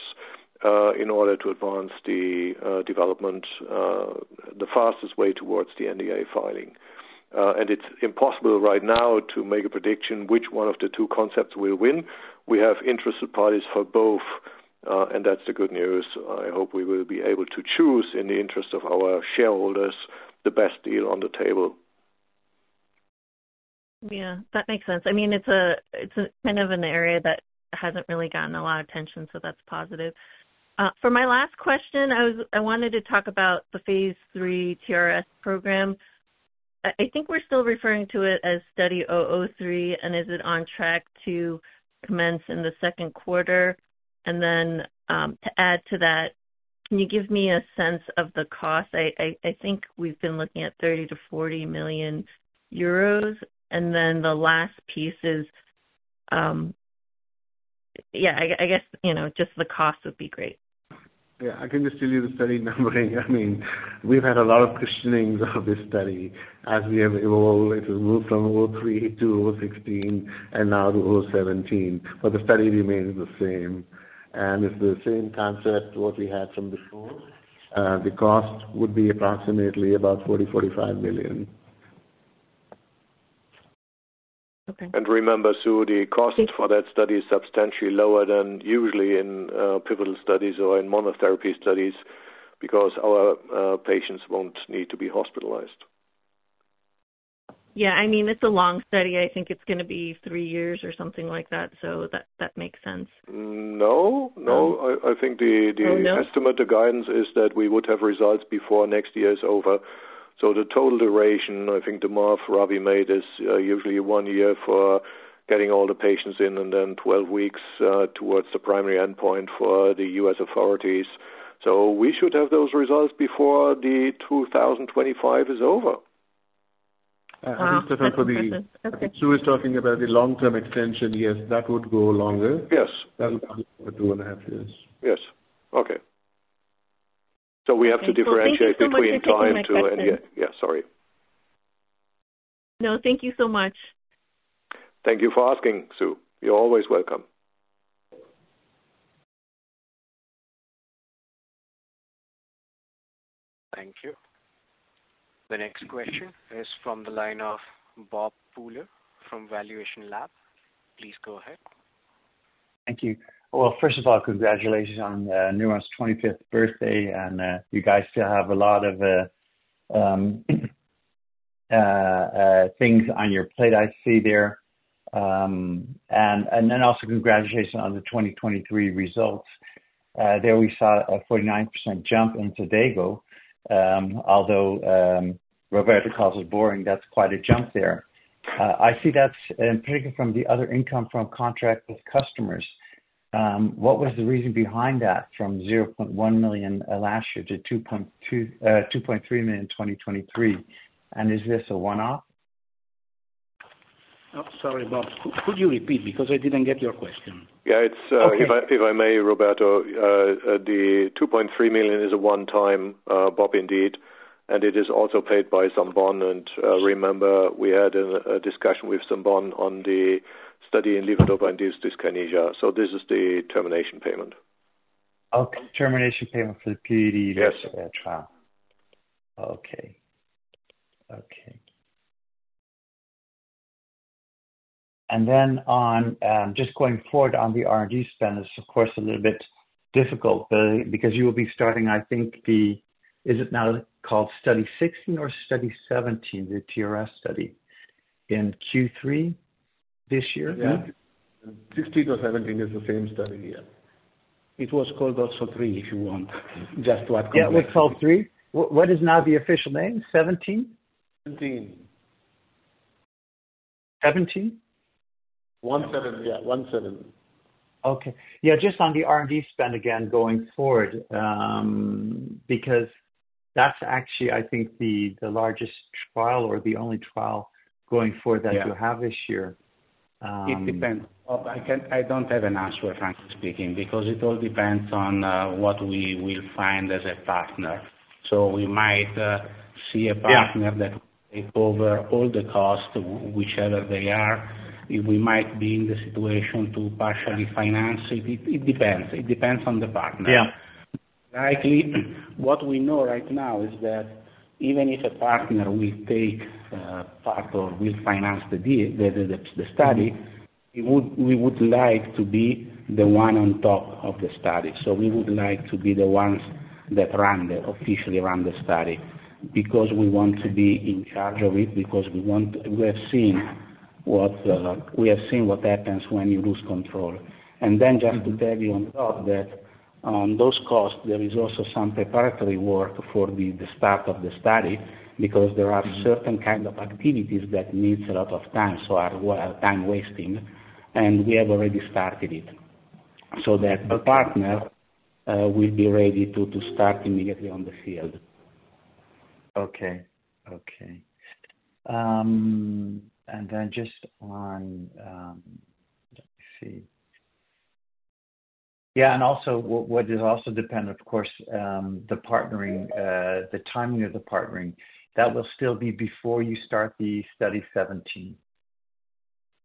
in order to advance the development the fastest way towards the NDA filing. It is impossible right now to make a prediction which one of the two concepts will win. We have interested parties for both, and that is the good news. I hope we will be able to choose in the interest of our shareholders the best deal on the table. Yeah, that makes sense. It is kind of an area that has not really gotten a lot of attention, so that is positive. For my last question, I wanted to talk about the phase III TRS program. I think we are still referring to it as study 003, is it on track to commence in the second quarter? To add to that, can you give me a sense of the cost? I think we have been looking at 30 million-40 million euros. The last piece is, just the cost would be great. Yeah. I can just give you the study numbering. We have had a lot of questionings of this study as we have evolved. It has moved from 003 to 016 and now to 017, but the study remains the same, and it is the same concept what we had from before. The cost would be approximately about 40 million-45 million. Okay. Remember, Sue, the cost for that study is substantially lower than usually in pivotal studies or in monotherapy studies because our patients won't need to be hospitalized. Yeah. It's a long study. I think it's going to be three years or something like that, so that makes sense. No. Oh, no? I think the estimated guidance is that we would have results before next year is over. The total duration, I think the math Ravi made is usually one year for getting all the patients in and then 12 weeks towards the primary endpoint for the U.S. authorities. We should have those results before 2025 is over. Wow. That's impressive. Okay. I think, Stefan, Sue is talking about the long-term extension. Yes, that would go longer. Yes. That will take two and a half years. Yes. Okay. We have to differentiate between time. Thank you so much for taking my questions. Yeah. Sorry. No, thank you so much. Thank you for asking, Sue. You're always welcome. Thank you. The next question is from the line of Bob Pooler from Valuation Lab. Please go ahead. Thank you. Well, first of all, congratulations on Newron's 25th birthday, you guys still have a lot of things on your plate I see there. Also congratulations on the 2023 results. There we saw a 49% jump in Xadago. Although Roberto calls it boring, that's quite a jump there. I see that's in particular from the other income from contract with customers. What was the reason behind that from 0.1 million last year to 2.3 million in 2023? Is this a one-off? Sorry, Bob. Could you repeat because I didn't get your question? Yeah. Okay. If I may, Roberto, the 2.3 million is a one-time, Bob, indeed, it is also paid by Zambon. Remember, we had a discussion with Zambon on the study in levodopa-induced dyskinesia. This is the termination payment. Okay. Termination payment for the LID- Yes trial. Okay. Just going forward on the R&D spend is, of course, a little bit difficult, because you will be starting, I think the Is it now called Study 16 or Study 17, the TRS study in Q3 this year? Yeah. 16 or 17 is the same study, yeah. It was called also three, if you want. Just to add context. Yeah, it was called three. What is now the official name? 17? 17. 17? 17. Yeah. 17. Okay. Yeah, just on the R&D spend again going forward, because that's actually, I think, the largest trial or the only trial going forward that you have this year. Yeah It depends. Bob, I don't have an answer, frankly speaking, because it all depends on what we will find as a partner. We might see a partner. It depends. Bob, I don't have an answer, frankly speaking, because it all depends on what we will find as a partner. Yeah that will take over all the costs, whichever they are. We might be in the situation to partially finance it. It depends. It depends on the partner. Yeah. Likely, what we know right now is that even if a partner will take part or will finance the study. We would like to be the one on top of the study. We would like to be the ones that officially run the study, because we want to be in charge of it, because we have seen what happens when you lose control. Just to tell you on top that on those costs, there is also some preparatory work for the start of the study, because there are certain kind of activities that needs a lot of time, so are time-wasting, and we have already started it, so that the partner will be ready to start immediately on the field. Okay. Just on Let me see. Yeah. What will also depend, of course, the partnering, the timing of the partnering, that will still be before you start the Study 17?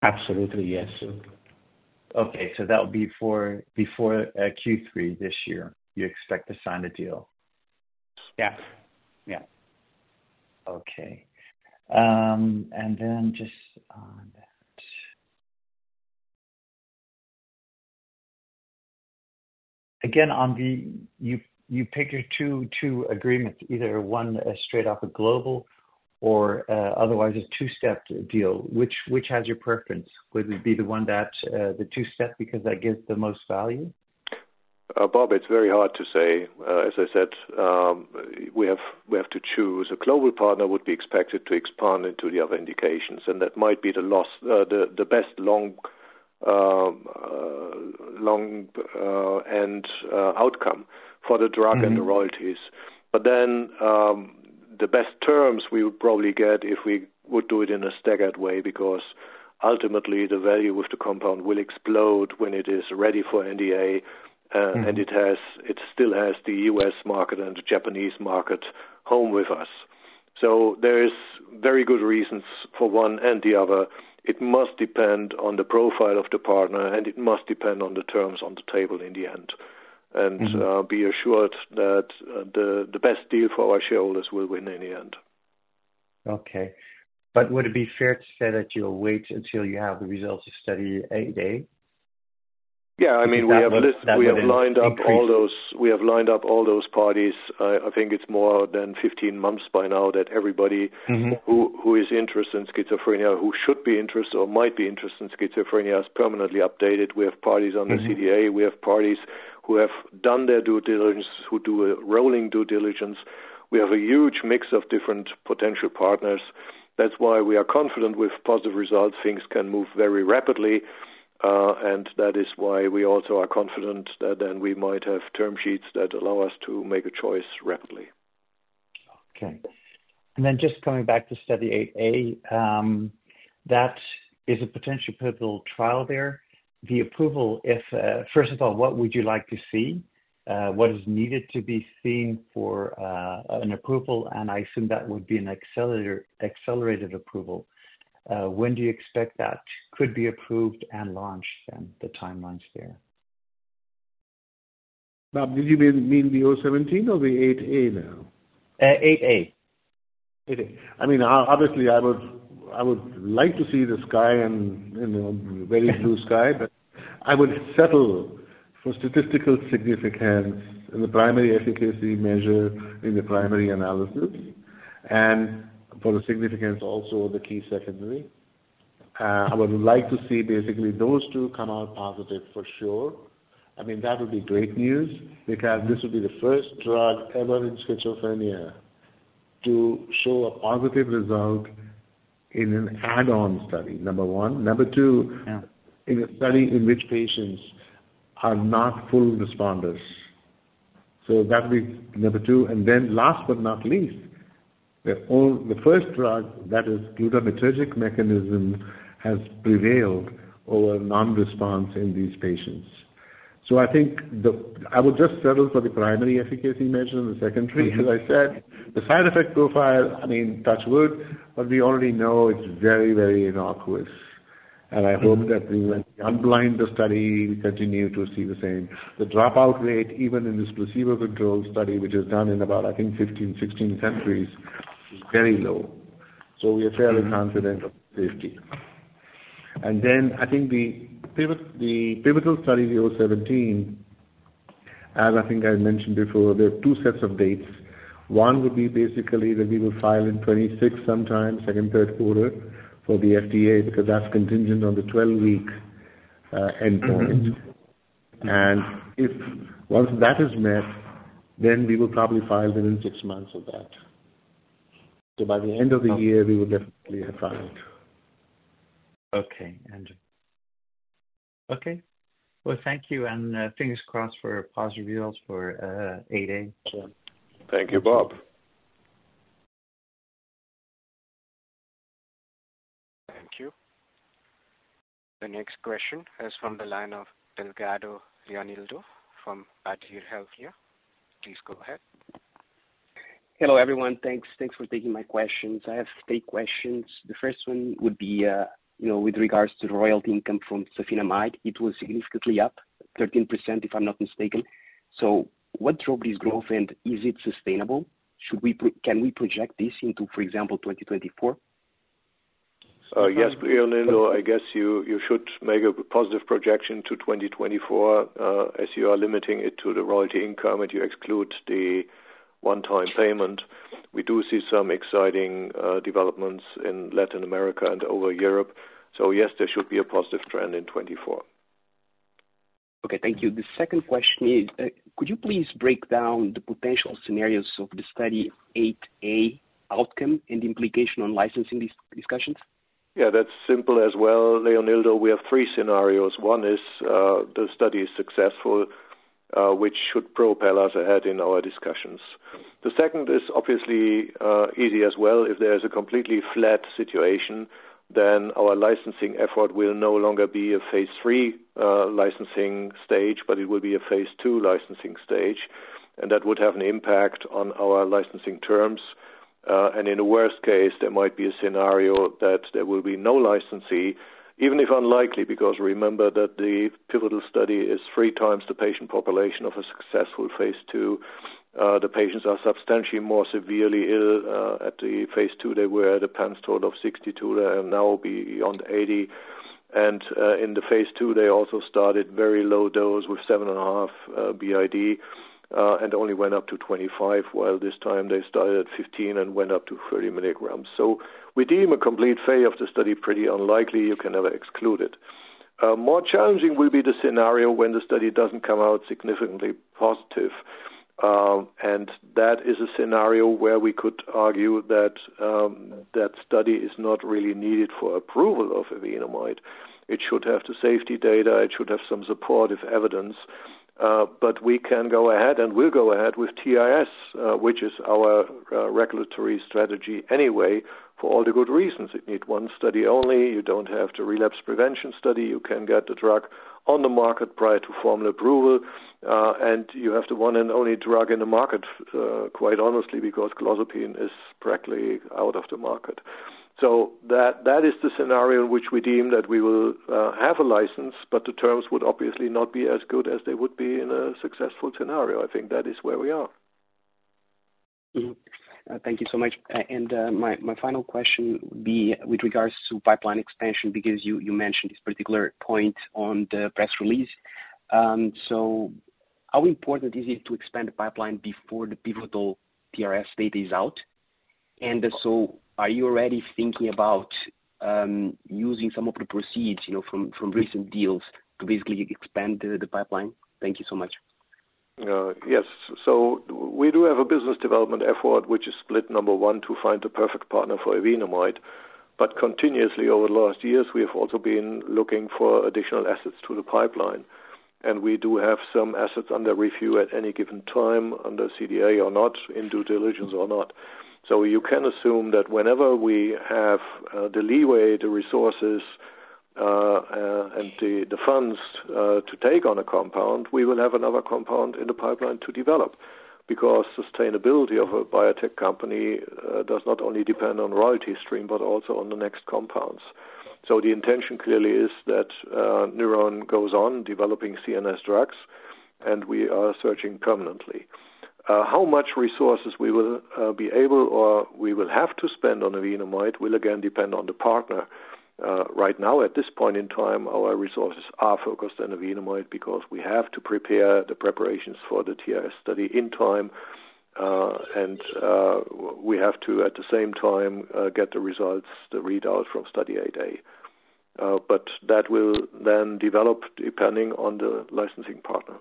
Absolutely, yes. Okay. That will be before Q3 this year, you expect to sign a deal? Yeah. Okay. Just on that. Again, on the You pick your two agreements, either one straight off of global or otherwise a two-step deal. Which has your preference? Would it be the one that's the two-step because that gives the most value? Bob, it's very hard to say. As I said, we have to choose. A global partner would be expected to expand into the other indications, and that might be the best long end outcome for the drug and the royalties. The best terms we would probably get if we would do it in a staggered way because ultimately the value of the compound will explode when it is ready for NDA- It still has the U.S. market and the Japanese market home with us. There is very good reasons for one and the other. It must depend on the profile of the partner, and it must depend on the terms on the table in the end. Be assured that the best deal for our shareholders will win in the end. Okay. Would it be fair to say that you'll wait until you have the results of study 8A? Yeah. We have lined up all those parties. I think it's more than 15 months by now that everybody who is interested in schizophrenia, who should be interested or might be interested in schizophrenia, is permanently updated. We have parties on the CDA. We have parties who have done their due diligence, who do a rolling due diligence. We have a huge mix of different potential partners. That's why we are confident with positive results, things can move very rapidly. That is why we also are confident that then we might have term sheets that allow us to make a choice rapidly. Okay. Just coming back to study 008A, that is a potential pivotal trial there. The approval, First of all, what would you like to see? What is needed to be seen for an approval? I assume that would be an accelerated approval. When do you expect that could be approved and launched then, the timelines there? Bob, did you mean the 017 or the 008A now? 8A. 008A. Obviously, I would like to see the sky very blue sky, but I would settle for statistical significance in the primary efficacy measure in the primary analysis. For the significance also the key secondary. I would like to see basically those two come out positive for sure. That would be great news because this would be the first drug ever in schizophrenia to show a positive result in an add-on study, number one. Number two- Yeah That would be number 2. Last but not least, the first drug that is glutamatergic mechanism has prevailed over non-response in these patients. I think I would just settle for the primary efficacy measure and the secondary. As I said, the side effect profile, touch wood, we already know it is very, very innocuous. I hope that when we unblind the study, we continue to see the same. The dropout rate, even in this placebo-controlled study, which is done in about, I think 15, 16 countries, is very low. We are fairly confident of safety. I think the pivotal study 017, as I think I mentioned before, there are two sets of dates. One would be basically that we will file in 2026 sometime second, third quarter for the FDA, because that is contingent on the 12-week endpoint. If once that is met, we will probably file within six months of that. By the end of the year, we will definitely have filed. Okay, Anand. Okay, well, thank you. Fingers crossed for positive results for 8A. Sure. Thank you, Bob. Thank you. The next question is from the line of Delgado Leonildo from Adil Healthcare. Please go ahead. Hello, everyone. Thanks for taking my questions. I have three questions. The first one would be with regards to royalty income from safinamide, it was significantly up 13%, if I'm not mistaken. What drove this growth and is it sustainable? Can we project this into, for example, 2024? Yes, Leonildo, I guess you should make a positive projection to 2024 as you are limiting it to the royalty income and you exclude the one-time payment. We do see some exciting developments in Latin America and over Europe. Yes, there should be a positive trend in 2024. Okay, thank you. The second question is, could you please break down the potential scenarios of the study 8A outcome and the implication on licensing these discussions? Yeah, that's simple as well, Leonildo. We have three scenarios. One is the study is successful which should propel us ahead in our discussions. The second is obviously easy as well. If there is a completely flat situation, our licensing effort will no longer be a phase III licensing stage, but it will be a phase II licensing stage. That would have an impact on our licensing terms. In the worst case, there might be a scenario that there will be no licensee, even if unlikely, because remember that the pivotal study is three times the patient population of a successful phase II. The patients are substantially more severely ill at the phase II. They were at a PANSS score of 62. They are now beyond 80. In the phase II, they also started very low dose with seven and a half BID and only went up to 25, while this time they started at 15 and went up to 30 milligrams. We deem a complete fail of the study pretty unlikely. You can never exclude it. More challenging will be the scenario when the study doesn't come out significantly positive. That is a scenario where we could argue that that study is not really needed for approval of evenamide. It should have the safety data, it should have some supportive evidence. We can go ahead and will go ahead with TRS, which is our regulatory strategy anyway for all the good reasons. You need one study only. You don't have to relapse prevention study. You can get the drug on the market prior to formal approval. You have the one and only drug in the market quite honestly, because clozapine is practically out of the market. That is the scenario in which we deem that we will have a license, but the terms would obviously not be as good as they would be in a successful scenario. I think that is where we are. Thank you so much. My final question would be with regards to pipeline expansion, because you mentioned this particular point on the press release. How important is it to expand the pipeline before the pivotal PRS data is out? Are you already thinking about using some of the proceeds from recent deals to basically expand the pipeline? Thank you so much. Yes. We do have a business development effort which is split number 1, to find the perfect partner for evenamide. Continuously over the last years, we have also been looking for additional assets to the pipeline. We do have some assets under review at any given time under CDA or not, in due diligence or not. You can assume that whenever we have the leeway, the resources, and the funds to take on a compound, we will have another compound in the pipeline to develop, because sustainability of a biotech company does not only depend on royalty stream, but also on the next compounds. The intention clearly is that Newron goes on developing CNS drugs and we are searching permanently. How much resources we will be able or we will have to spend on evenamide will again depend on the partner. Right now at this point in time, our resources are focused on evenamide because we have to prepare the preparations for the TRS study in time. We have to, at the same time get the results, the readout from Study 8A. That will then develop depending on the licensing partner.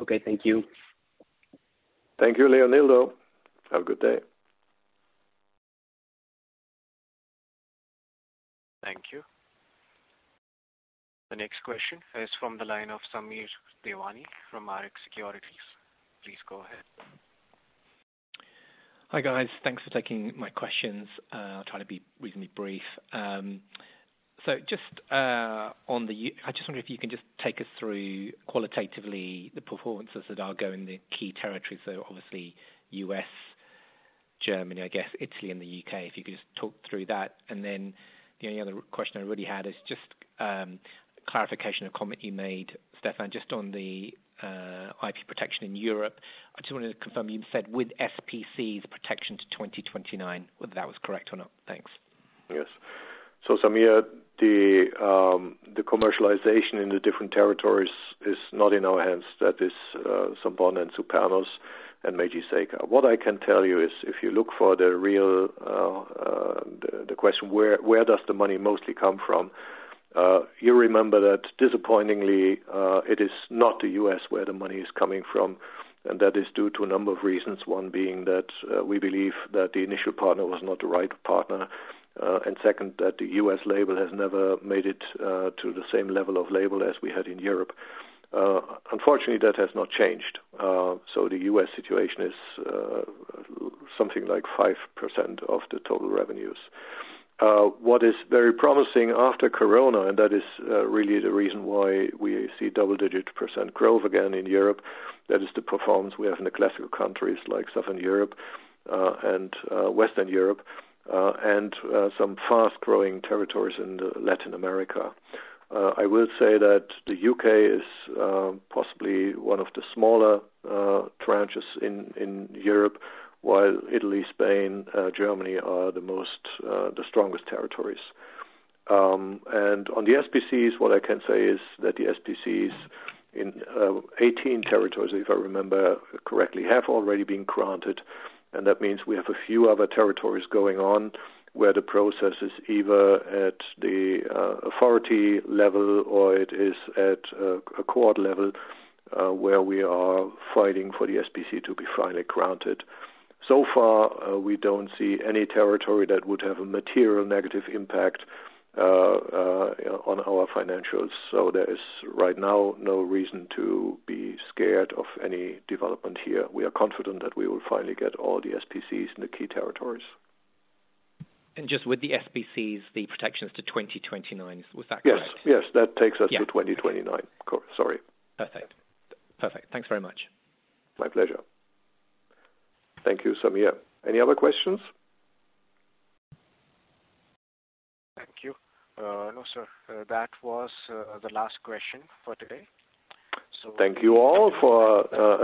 Okay. Thank you. Thank you, Leonildo. Have a good day. Thank you. The next question is from the line of Samir Devani from Rx Securities. Please go ahead. Hi guys. Thanks for taking my questions. I'll try to be reasonably brief. I just wonder if you can just take us through qualitatively the performances that are going the key territories, so obviously U.S. Germany, I guess Italy and the U.K., if you could just talk through that. The only other question I really had is just clarification, a comment you made, Stefan, just on the IP protection in Europe. I just wanted to confirm, you said with SPCs protection to 2029, whether that was correct or not. Thanks. Yes. Samir, the commercialization in the different territories is not in our hands. That is Sanofi Genzyme and Supernus Pharmaceuticals and Meiji Seika Pharma. What I can tell you is if you look for the real, the question, where does the money mostly come from? You remember that disappointingly, it is not the U.S. where the money is coming from, and that is due to a number of reasons. One being that we believe that the initial partner was not the right partner, and second, that the U.S. label has never made it to the same level of label as we had in Europe. Unfortunately, that has not changed. The U.S. situation is something like 5% of the total revenues. What is very promising after Corona, and that is really the reason why we see double-digit % growth again in Europe. That is the performance we have in the classical countries like Southern Europe and Western Europe, and some fast-growing territories in Latin America. I will say that the U.K. is possibly one of the smaller tranches in Europe, while Italy, Spain, Germany are the strongest territories. On the SPCs, what I can say is that the SPCs in 18 territories, if I remember correctly, have already been granted, and that means we have a few other territories going on where the process is either at the authority level or it is at a court level, where we are fighting for the SPC to be finally granted. So far, we do not see any territory that would have a material negative impact on our financials. There is right now no reason to be scared of any development here. We are confident that we will finally get all the SPCs in the key territories. Just with the SPCs, the protections to 2029, was that correct? Yes. That takes us to 2029. Correct. Sorry. Perfect. Thanks very much. My pleasure. Thank you, Samir. Any other questions? Thank you. No, sir. That was the last question for today. Thank you all for-